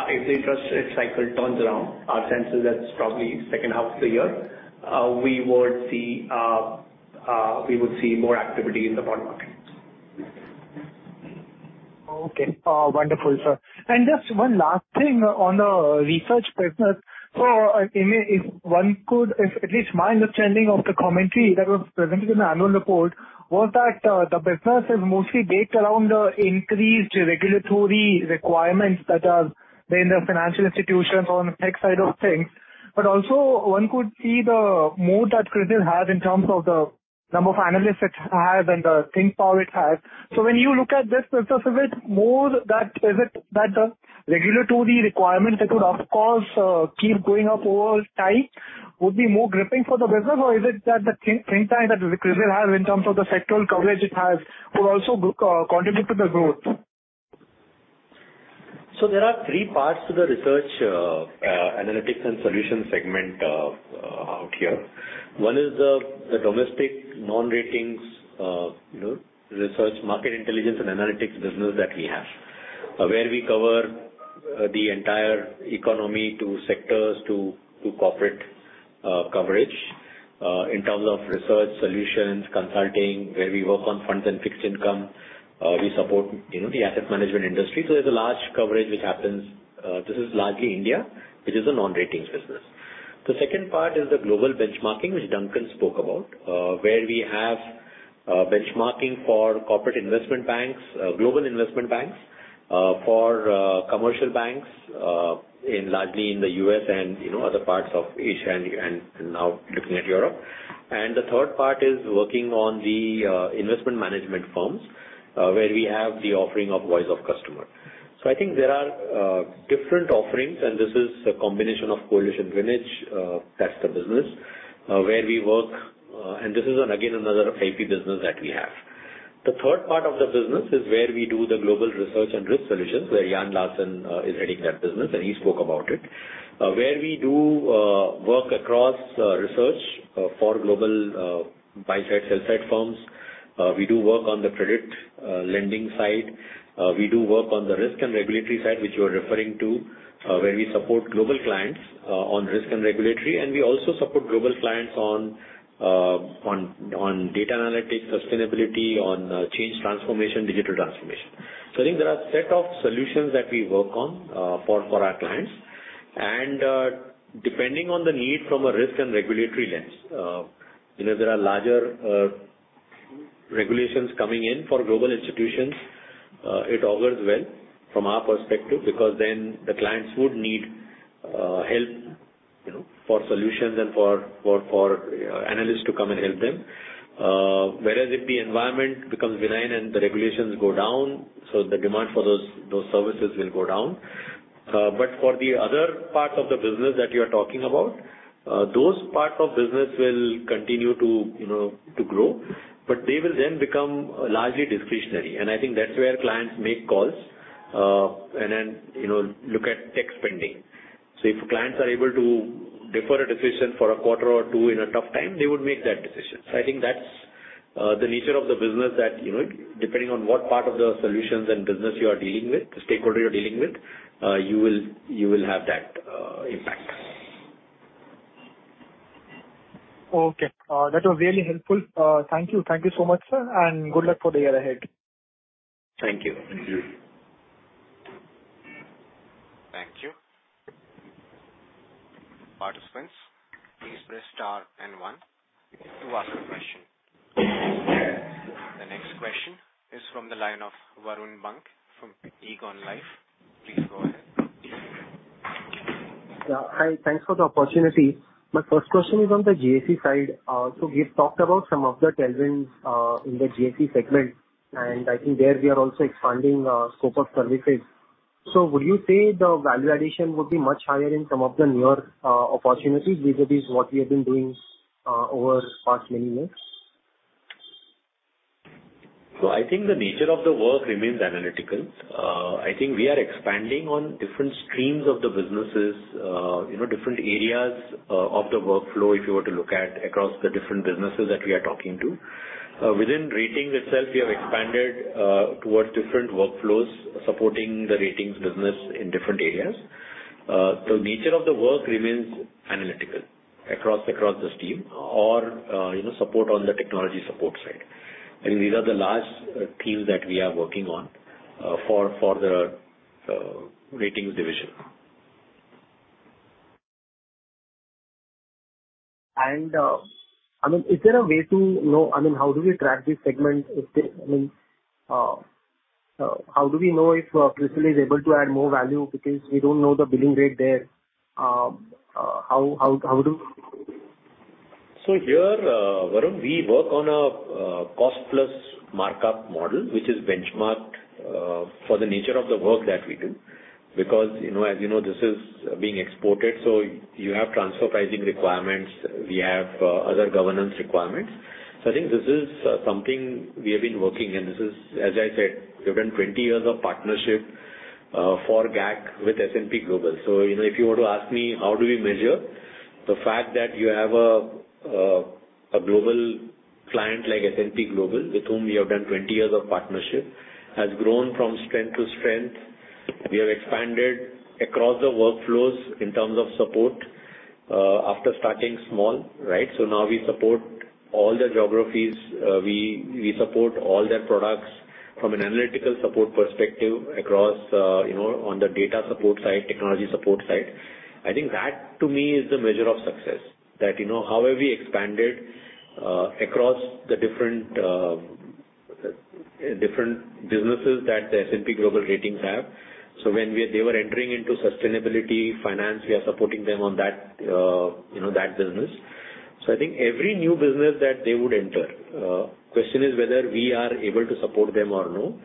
if the interest rate cycle turns around, our sense is that's probably second half of the year, we would see more activity in the bond market. Okay. Wonderful, sir. And just one last thing on the research business. So if one could if at least my understanding of the commentary that was presented in the annual report was that the business is mostly baked around increased regulatory requirements that are in the financial institutions or on the tech side of things. But also, one could see the mood that CRISIL has in terms of the number of analysts it has and the think power it has. So when you look at this business, is it more that is it that the regulatory requirements that would, of course, keep going up over time would be more gripping for the business, or is it that the think tank that CRISIL has in terms of the sectoral coverage it has would also contribute to the growth? So there are three parts to the research analytics and solution segment out here. One is the domestic non-ratings research Market Intelligence and Analytics business that we have, where we cover the entire economy to sectors to corporate coverage in terms of research, solutions, consulting, where we work on funds and fixed income. We support the asset management industry. So there's a large coverage which happens, this is largely India, which is a non-ratings business. The second part is the global benchmarking, which Duncan spoke about, where we have benchmarking for corporate investment banks, global investment banks, for commercial banks, largely in the U.S. and other parts of Asia and now looking at Europe. And the third part is working on the investment management firms where we have the offering of voice of customer. So I think there are different offerings, and this is a combination of Coalition Greenwich. That's the business where we work, and this is, again, another IP business that we have. The third part of the business is where we do the Global Research and Risk solutions, where Jan Larsen is heading that business, and he spoke about it, where we do work across research for global buy-side, sell-side firms. We do work on the credit lending side. We do work on the risk and regulatory side, which you were referring to, where we support global clients on risk and regulatory, and we also support global clients on data analytics, sustainability, on change transformation, digital transformation. So I think there are a set of solutions that we work on for our clients. And depending on the need from a risk and regulatory lens, there are larger regulations coming in for global institutions. It augurs well from our perspective because then the clients would need help for solutions and for analysts to come and help them. Whereas if the environment becomes benign and the regulations go down, so the demand for those services will go down. But for the other parts of the business that you are talking about, those parts of business will continue to grow, but they will then become largely discretionary. And I think that's where clients make calls and then look at tech spending. So if clients are able to defer a decision for a quarter or two in a tough time, they would make that decision. So I think that's the nature of the business that depending on what part of the solutions and business you are dealing with, the stakeholder you're dealing with, you will have that impact. Okay. That was really helpful. Thank you. Thank you so much, sir, and good luck for the year ahead. Thank you. Thank you. Participants, please press star and one to ask a question. The next question is from the line of Varun Bang from Aegon Life. Please go ahead. Hi. Thanks for the opportunity. My first question is on the GAC side. So we've talked about some of the tailwinds in the GAC segment, and I think there we are also expanding scope of services. So would you say the value addition would be much higher in some of the newer opportunities vis-à-vis what we have been doing over the past many years? So I think the nature of the work remains analytical. I think we are expanding on different streams of the businesses, different areas of the workflow, if you were to look at, across the different businesses that we are talking to. Within ratings itself, we have expanded towards different workflows supporting the ratings business in different areas. The nature of the work remains analytical across the team or support on the technology support side. I think these are the large teams that we are working on for the ratings division. I mean, is there a way to know? I mean, how do we track this segment? I mean, how do we know if CRISIL is able to add more value because we don't know the billing rate there? How do we? So here, Varun, we work on a cost-plus markup model, which is benchmarked for the nature of the work that we do because, as you know, this is being exported. So you have transfer pricing requirements. We have other governance requirements. So I think this is something we have been working, and this is, as I said, we've done 20 years of partnership for GAC with S&P Global. So if you were to ask me how do we measure, the fact that you have a global client like S&P Global with whom we have done 20 years of partnership has grown from strength to strength. We have expanded across the workflows in terms of support after starting small, right? So now we support all the geographies. We support all their products from an analytical support perspective across on the data support side, technology support side. I think that, to me, is the measure of success, that however we expanded across the different businesses that the S&P Global Ratings have. So when they were entering into sustainability finance, we are supporting them on that business. So I think every new business that they would enter, the question is whether we are able to support them or no,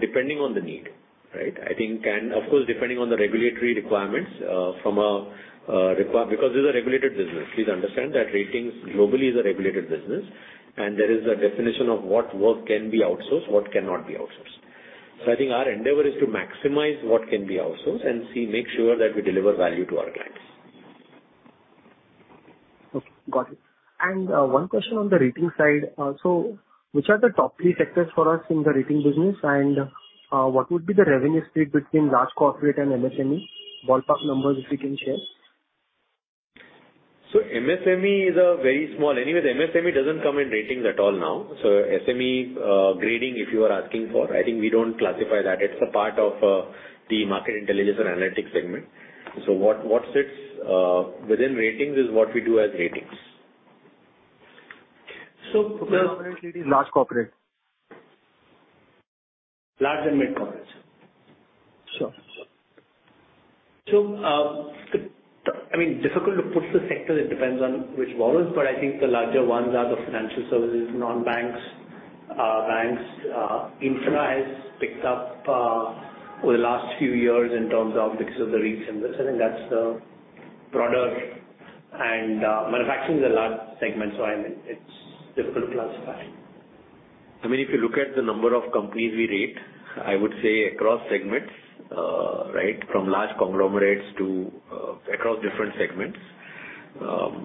depending on the need, right? And of course, depending on the regulatory requirements from a because this is a regulated business. Please understand that ratings globally is a regulated business, and there is a definition of what work can be outsourced, what cannot be outsourced. So I think our endeavor is to maximize what can be outsourced and make sure that we deliver value to our clients. Okay. Got it. One question on the rating side. Which are the top three sectors for us in the rating business, and what would be the revenue split between large corporate and MSME? Ballpark numbers, if you can share. So MSME is very small. Anyway, the MSME doesn't come in ratings at all now. So SME grading, if you are asking for, I think we don't classify that. It's a part of the Market Intelligence and Analytics segment. So what sits within ratings is what we do as ratings. Where dominantly these large corporates? Large and mid-corporates. Sure. I mean, it's difficult to put the sector. It depends on which borrowers, but I think the larger ones are the financial services, non-banks, banks. Infra has picked up over the last few years in terms of because of the rates and this. I think that's the broader and manufacturing is a large segment, so I mean, it's difficult to classify. I mean, if you look at the number of companies we rate, I would say across segments, right, from large conglomerates to across different segments,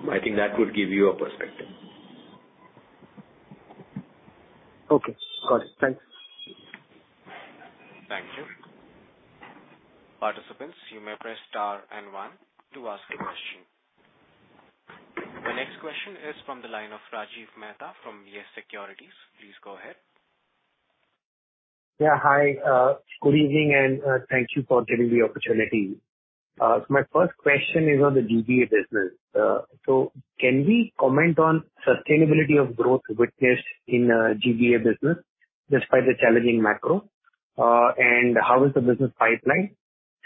I think that would give you a perspective. Okay. Got it. Thanks. Thank you. Participants, you may press star and one to ask a question. The next question is from the line of Rajiv Mehta from YES Securities. Please go ahead. Yeah. Hi. Good evening, and thank you for giving the opportunity. So my first question is on the GBA business. So can we comment on sustainability of growth witnessed in GBA business despite the challenging macro, and how is the business pipeline?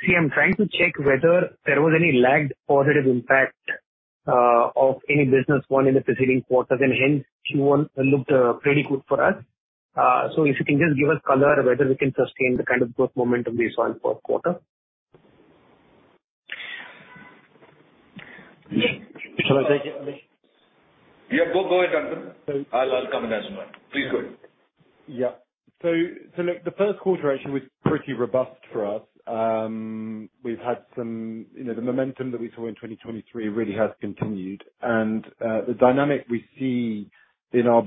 See, I'm trying to check whether there was any lagged positive impact of any business won in the preceding quarters, and hence, Q1 looked pretty good for us. So if you can just give us color, whether we can sustain the kind of growth momentum we saw in the first quarter. Yeah. Can I take it? Yeah. Go ahead, Duncan. I'll come in as well. Please go ahead. Yeah. So look, the first quarter actually was pretty robust for us. We've had some of the momentum that we saw in 2023 really has continued, and the dynamic we see in our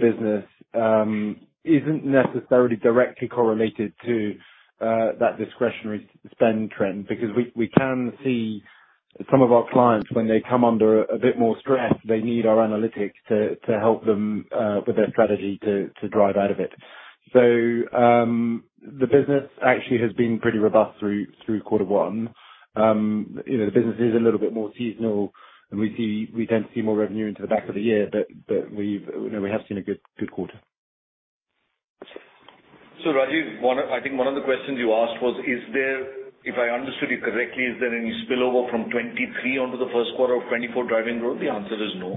business isn't necessarily directly correlated to that discretionary spend trend because we can see some of our clients, when they come under a bit more stress, they need our analytics to help them with their strategy to drive out of it. So the business actually has been pretty robust through quarter one. The business is a little bit more seasonal, and we tend to see more revenue into the back of the year, but we have seen a good quarter. Rajiv, I think one of the questions you asked was, "If I understood you correctly, is there any spillover from 2023 onto the first quarter of 2024 driving growth?" The answer is no.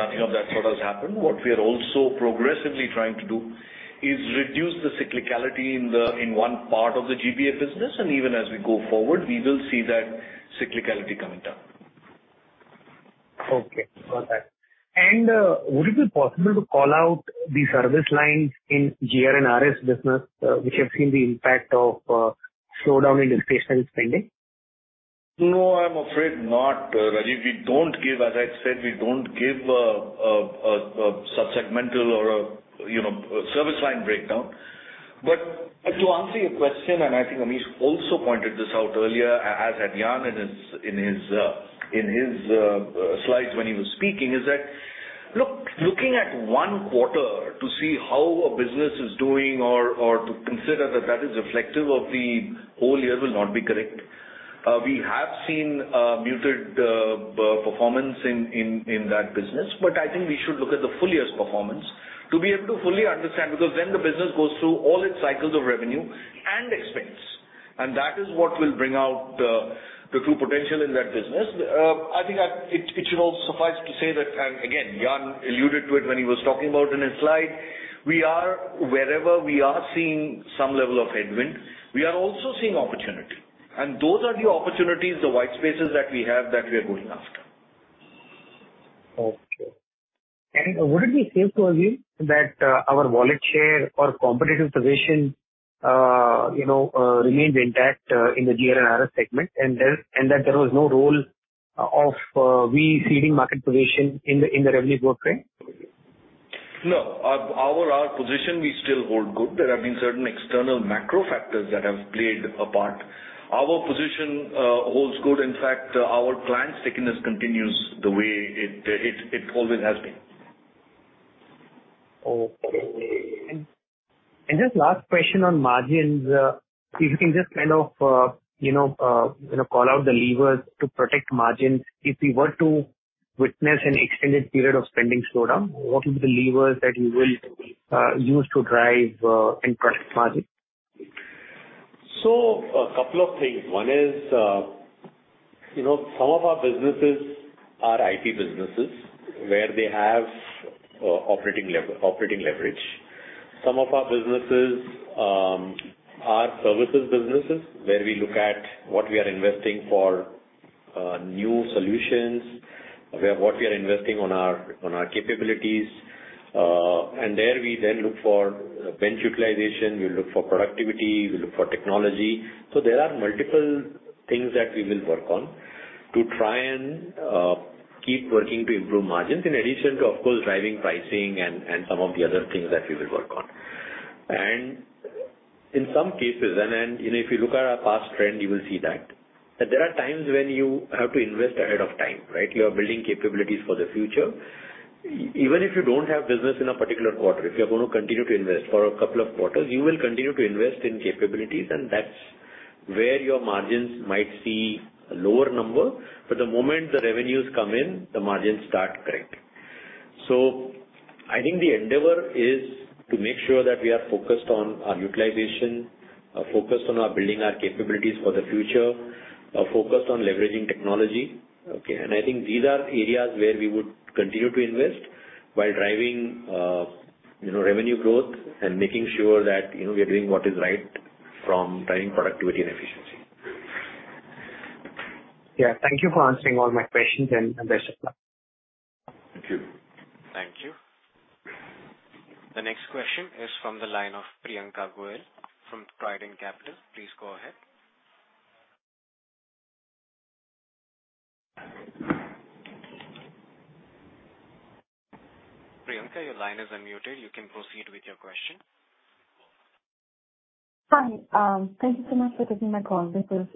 Nothing of that sort has happened. What we are also progressively trying to do is reduce the cyclicality in one part of the GBA business, and even as we go forward, we will see that cyclicality coming down. Okay. Got that. And would it be possible to call out the service lines in GR and RS business, which have seen the impact of slowdown in discretionary spending? No, I'm afraid not, Rajiv. As I said, we don't give a subsegmental or a service line breakdown. But to answer your question, and I think Amish also pointed this out earlier, as had Jan in his slides when he was speaking, is that looking at one quarter to see how a business is doing or to consider that that is reflective of the whole year will not be correct. We have seen muted performance in that business, but I think we should look at the full year's performance to be able to fully understand because then the business goes through all its cycles of revenue and expense, and that is what will bring out the true potential in that business. I think it should also suffice to say that and again, Jan alluded to it when he was talking about it in his slide. Wherever we are seeing some level of headwind, we are also seeing opportunity, and those are the opportunities, the white spaces that we have that we are going after. Okay. And would it be safe to assume that our wallet share or competitive position remains intact in the GR and RS segment and that there was no role of us ceding market position in the revenue growth trend? No. Our position, we still hold good. There have been certain external macro factors that have played a part. Our position holds good. In fact, our client stickiness continues the way it always has been. Okay. Just last question on margins. If you can just kind of call out the levers to protect margins, if we were to witness an extended period of spending slowdown, what would be the levers that you will use to drive and protect margins? A couple of things. One is some of our businesses are IT businesses where they have operating leverage. Some of our businesses are services businesses where we look at what we are investing for new solutions, what we are investing on our capabilities, and there we then look for bench utilization. We look for productivity. We look for technology. There are multiple things that we will work on to try and keep working to improve margins in addition to, of course, driving pricing and some of the other things that we will work on. In some cases and if you look at our past trend, you will see that there are times when you have to invest ahead of time, right? You are building capabilities for the future. Even if you don't have business in a particular quarter, if you're going to continue to invest for a couple of quarters, you will continue to invest in capabilities, and that's where your margins might see a lower number. But the moment the revenues come in, the margins start correcting. So I think the endeavor is to make sure that we are focused on our utilization, focused on building our capabilities for the future, focused on leveraging technology. Okay? And I think these are areas where we would continue to invest while driving revenue growth and making sure that we are doing what is right from driving productivity and efficiency. Yeah. Thank you for answering all my questions, and best of luck. Thank you. Thank you. The next question is from the line of Priyanka Goyal from Trident Capital. Please go ahead. Priyanka, your line is unmuted. You can proceed with your question. Hi. Thank you so much for taking my call. This is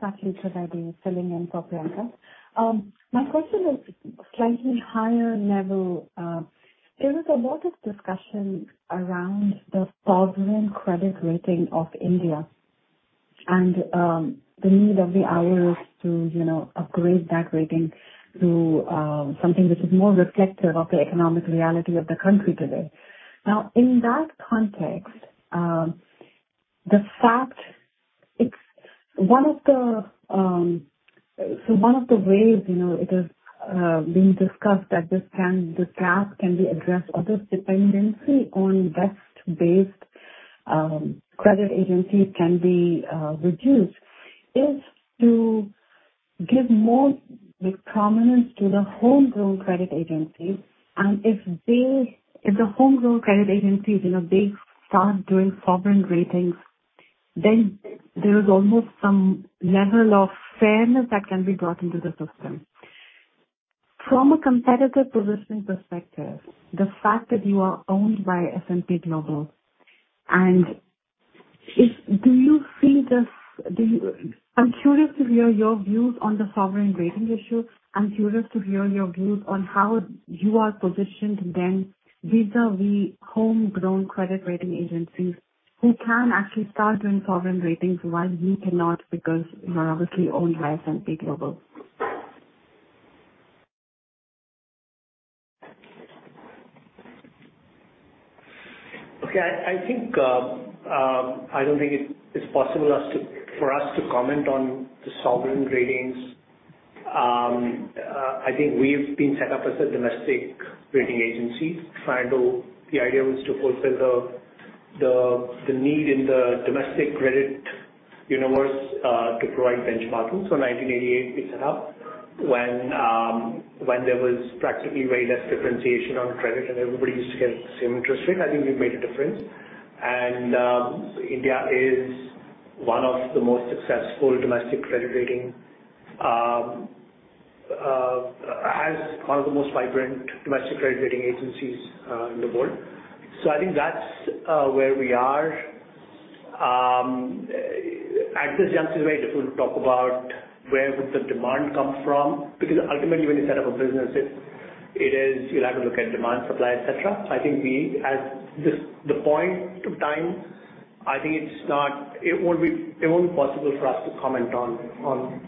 Sathvi, because I've been filling in for Priyanka. My question is slightly higher level. There was a lot of discussion around the sovereign credit rating of India and the need of the Big Three to upgrade that rating to something which is more reflective of the economic reality of the country today. Now, in that context, the fact it's one of the ways it has been discussed that this gap can be addressed or this dependency on Big Three-based credit agencies can be reduced is to give more prominence to the homegrown credit agencies. And if the homegrown credit agencies start doing sovereign ratings, then there is almost some level of fairness that can be brought into the system. From a competitive positioning perspective, the fact that you are owned by S&P Global, and do you see this? I'm curious to hear your views on the sovereign rating issue. I'm curious to hear your views on how you are positioned then vis-à-vis homegrown credit rating agencies who can actually start doing sovereign ratings while you cannot because you're obviously owned by S&P Global. Okay. I don't think it's possible for us to comment on the sovereign ratings. I think we've been set up as a domestic rating agency. The idea was to fulfill the need in the domestic credit universe to provide benchmarking. So in 1988, we set up when there was practically way less differentiation on credit, and everybody used to get the same interest rate. I think we've made a difference. And India is one of the most successful domestic credit rating as one of the most vibrant domestic credit rating agencies in the world. So I think that's where we are. At this juncture, it's very difficult to talk about where would the demand come from because ultimately, when you set up a business, you'll have to look at demand, supply, etc. I think at the point of time, I think it won't be possible for us to comment on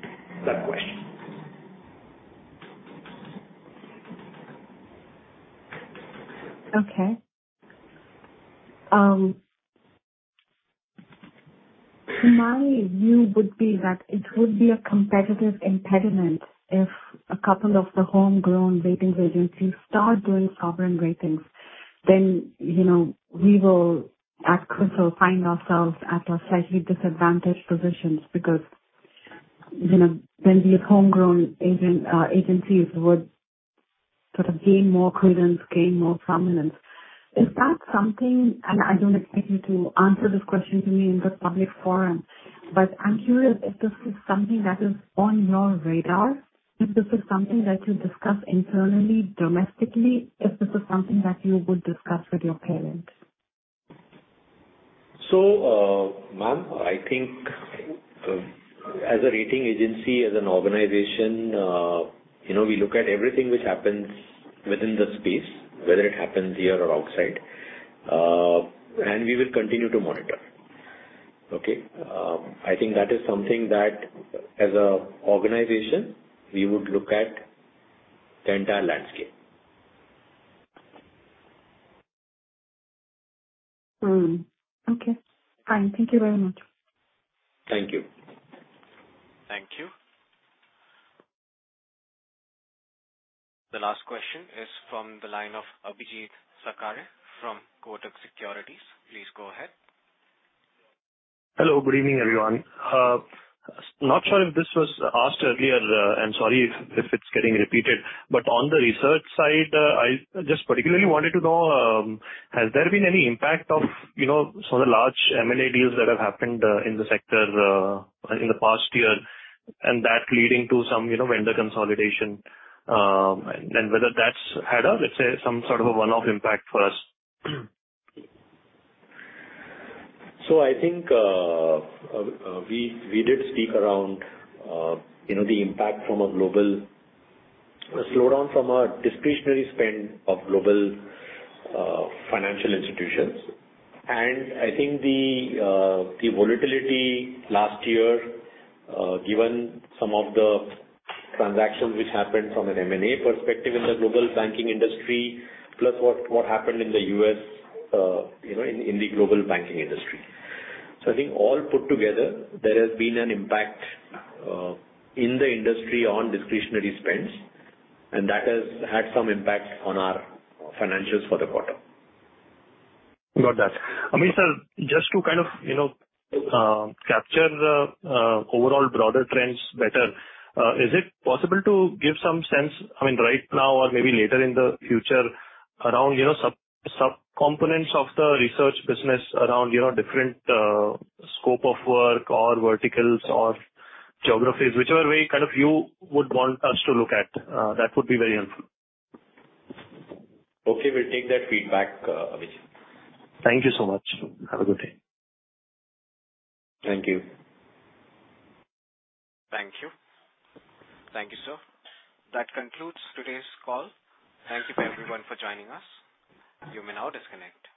that question. Okay. My view would be that it would be a competitive impediment if a couple of the homegrown ratings agencies start doing sovereign ratings. Then we will find ourselves at a slightly disadvantaged position because then these homegrown agencies would sort of gain more credence, gain more prominence. Is that something? And I don't expect you to answer this question to me in the public forum, but I'm curious if this is something that is on your radar, if this is something that you discuss internally, domestically, if this is something that you would discuss with your parents. So, ma'am, I think as a rating agency, as an organization, we look at everything which happens within the space, whether it happens here or outside, and we will continue to monitor. Okay? I think that is something that as an organization, we would look at the entire landscape. Okay. Fine. Thank you very much. Thank you. Thank you. The last question is from the line of Abhijeet Sakhare from Kotak Securities. Please go ahead. Hello. Good evening, everyone. Not sure if this was asked earlier. I'm sorry if it's getting repeated, but on the research side, I just particularly wanted to know, has there been any impact of some of the large M&A deals that have happened in the sector in the past year and that leading to some vendor consolidation and whether that's had, let's say, some sort of a one-off impact for us? I think we did speak around the impact from a global slowdown from a discretionary spend of global financial institutions. And I think the volatility last year, given some of the transactions which happened from an M&A perspective in the global banking industry plus what happened in the U.S. in the global banking industry. So I think all put together, there has been an impact in the industry on discretionary spends, and that has had some impact on our financials for the quarter. Got that. Amish, just to kind of capture overall broader trends better, is it possible to give some sense I mean, right now or maybe later in the future around subcomponents of the research business around different scope of work or verticals or geographies, whichever way kind of you would want us to look at? That would be very helpful. Okay. We'll take that feedback, Abhijeet. Thank you so much. Have a good day. Thank you. Thank you. Thank you, sir. That concludes today's call. Thank you to everyone for joining us. You may now disconnect.